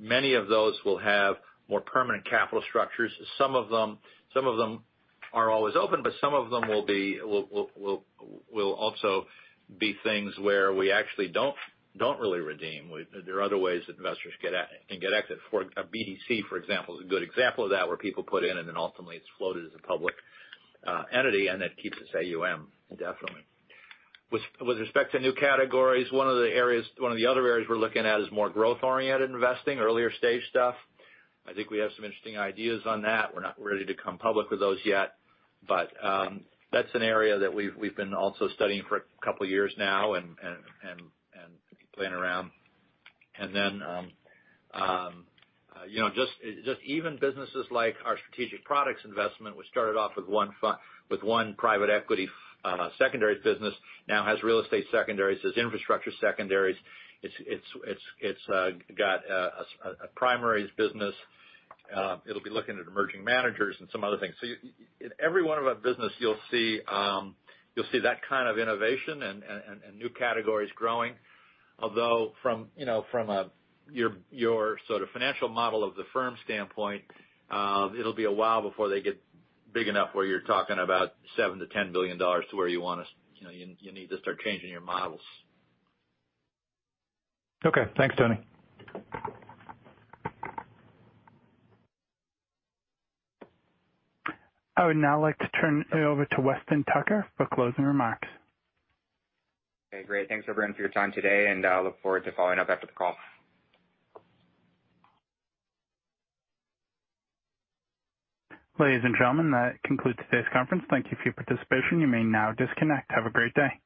Many of those will have more permanent capital structures. Some of them are always open, but some of them will also be things where we actually don't really redeem. There are other ways investors can get exit. A BDC, for example, is a good example of that, where people put in and then ultimately it's floated as a public entity, and that keeps its AUM indefinitely. With respect to new categories, one of the other areas we're looking at is more growth-oriented investing, earlier stage stuff. I think we have some interesting ideas on that. We're not ready to come public with those yet. That's an area that we've been also studying for a couple of years now and playing around. Then just even businesses like our strategic products investment, which started off with one private equity secondaries business, now has real estate secondaries, has infrastructure secondaries. It's got a primaries business. It'll be looking at emerging managers and some other things. In every one of our business you'll see that kind of innovation and new categories growing. Although from your sort of financial model of the firm standpoint, it'll be a while before they get big enough where you're talking about $7 billion-$10 billion to where you need to start changing your models. Okay. Thanks, Tony. I would now like to turn it over to Weston Tucker for closing remarks. Okay, great. Thanks everyone for your time today, and I look forward to following up after the call. Ladies and gentlemen, that concludes today's conference. Thank you for your participation. You may now disconnect. Have a great day.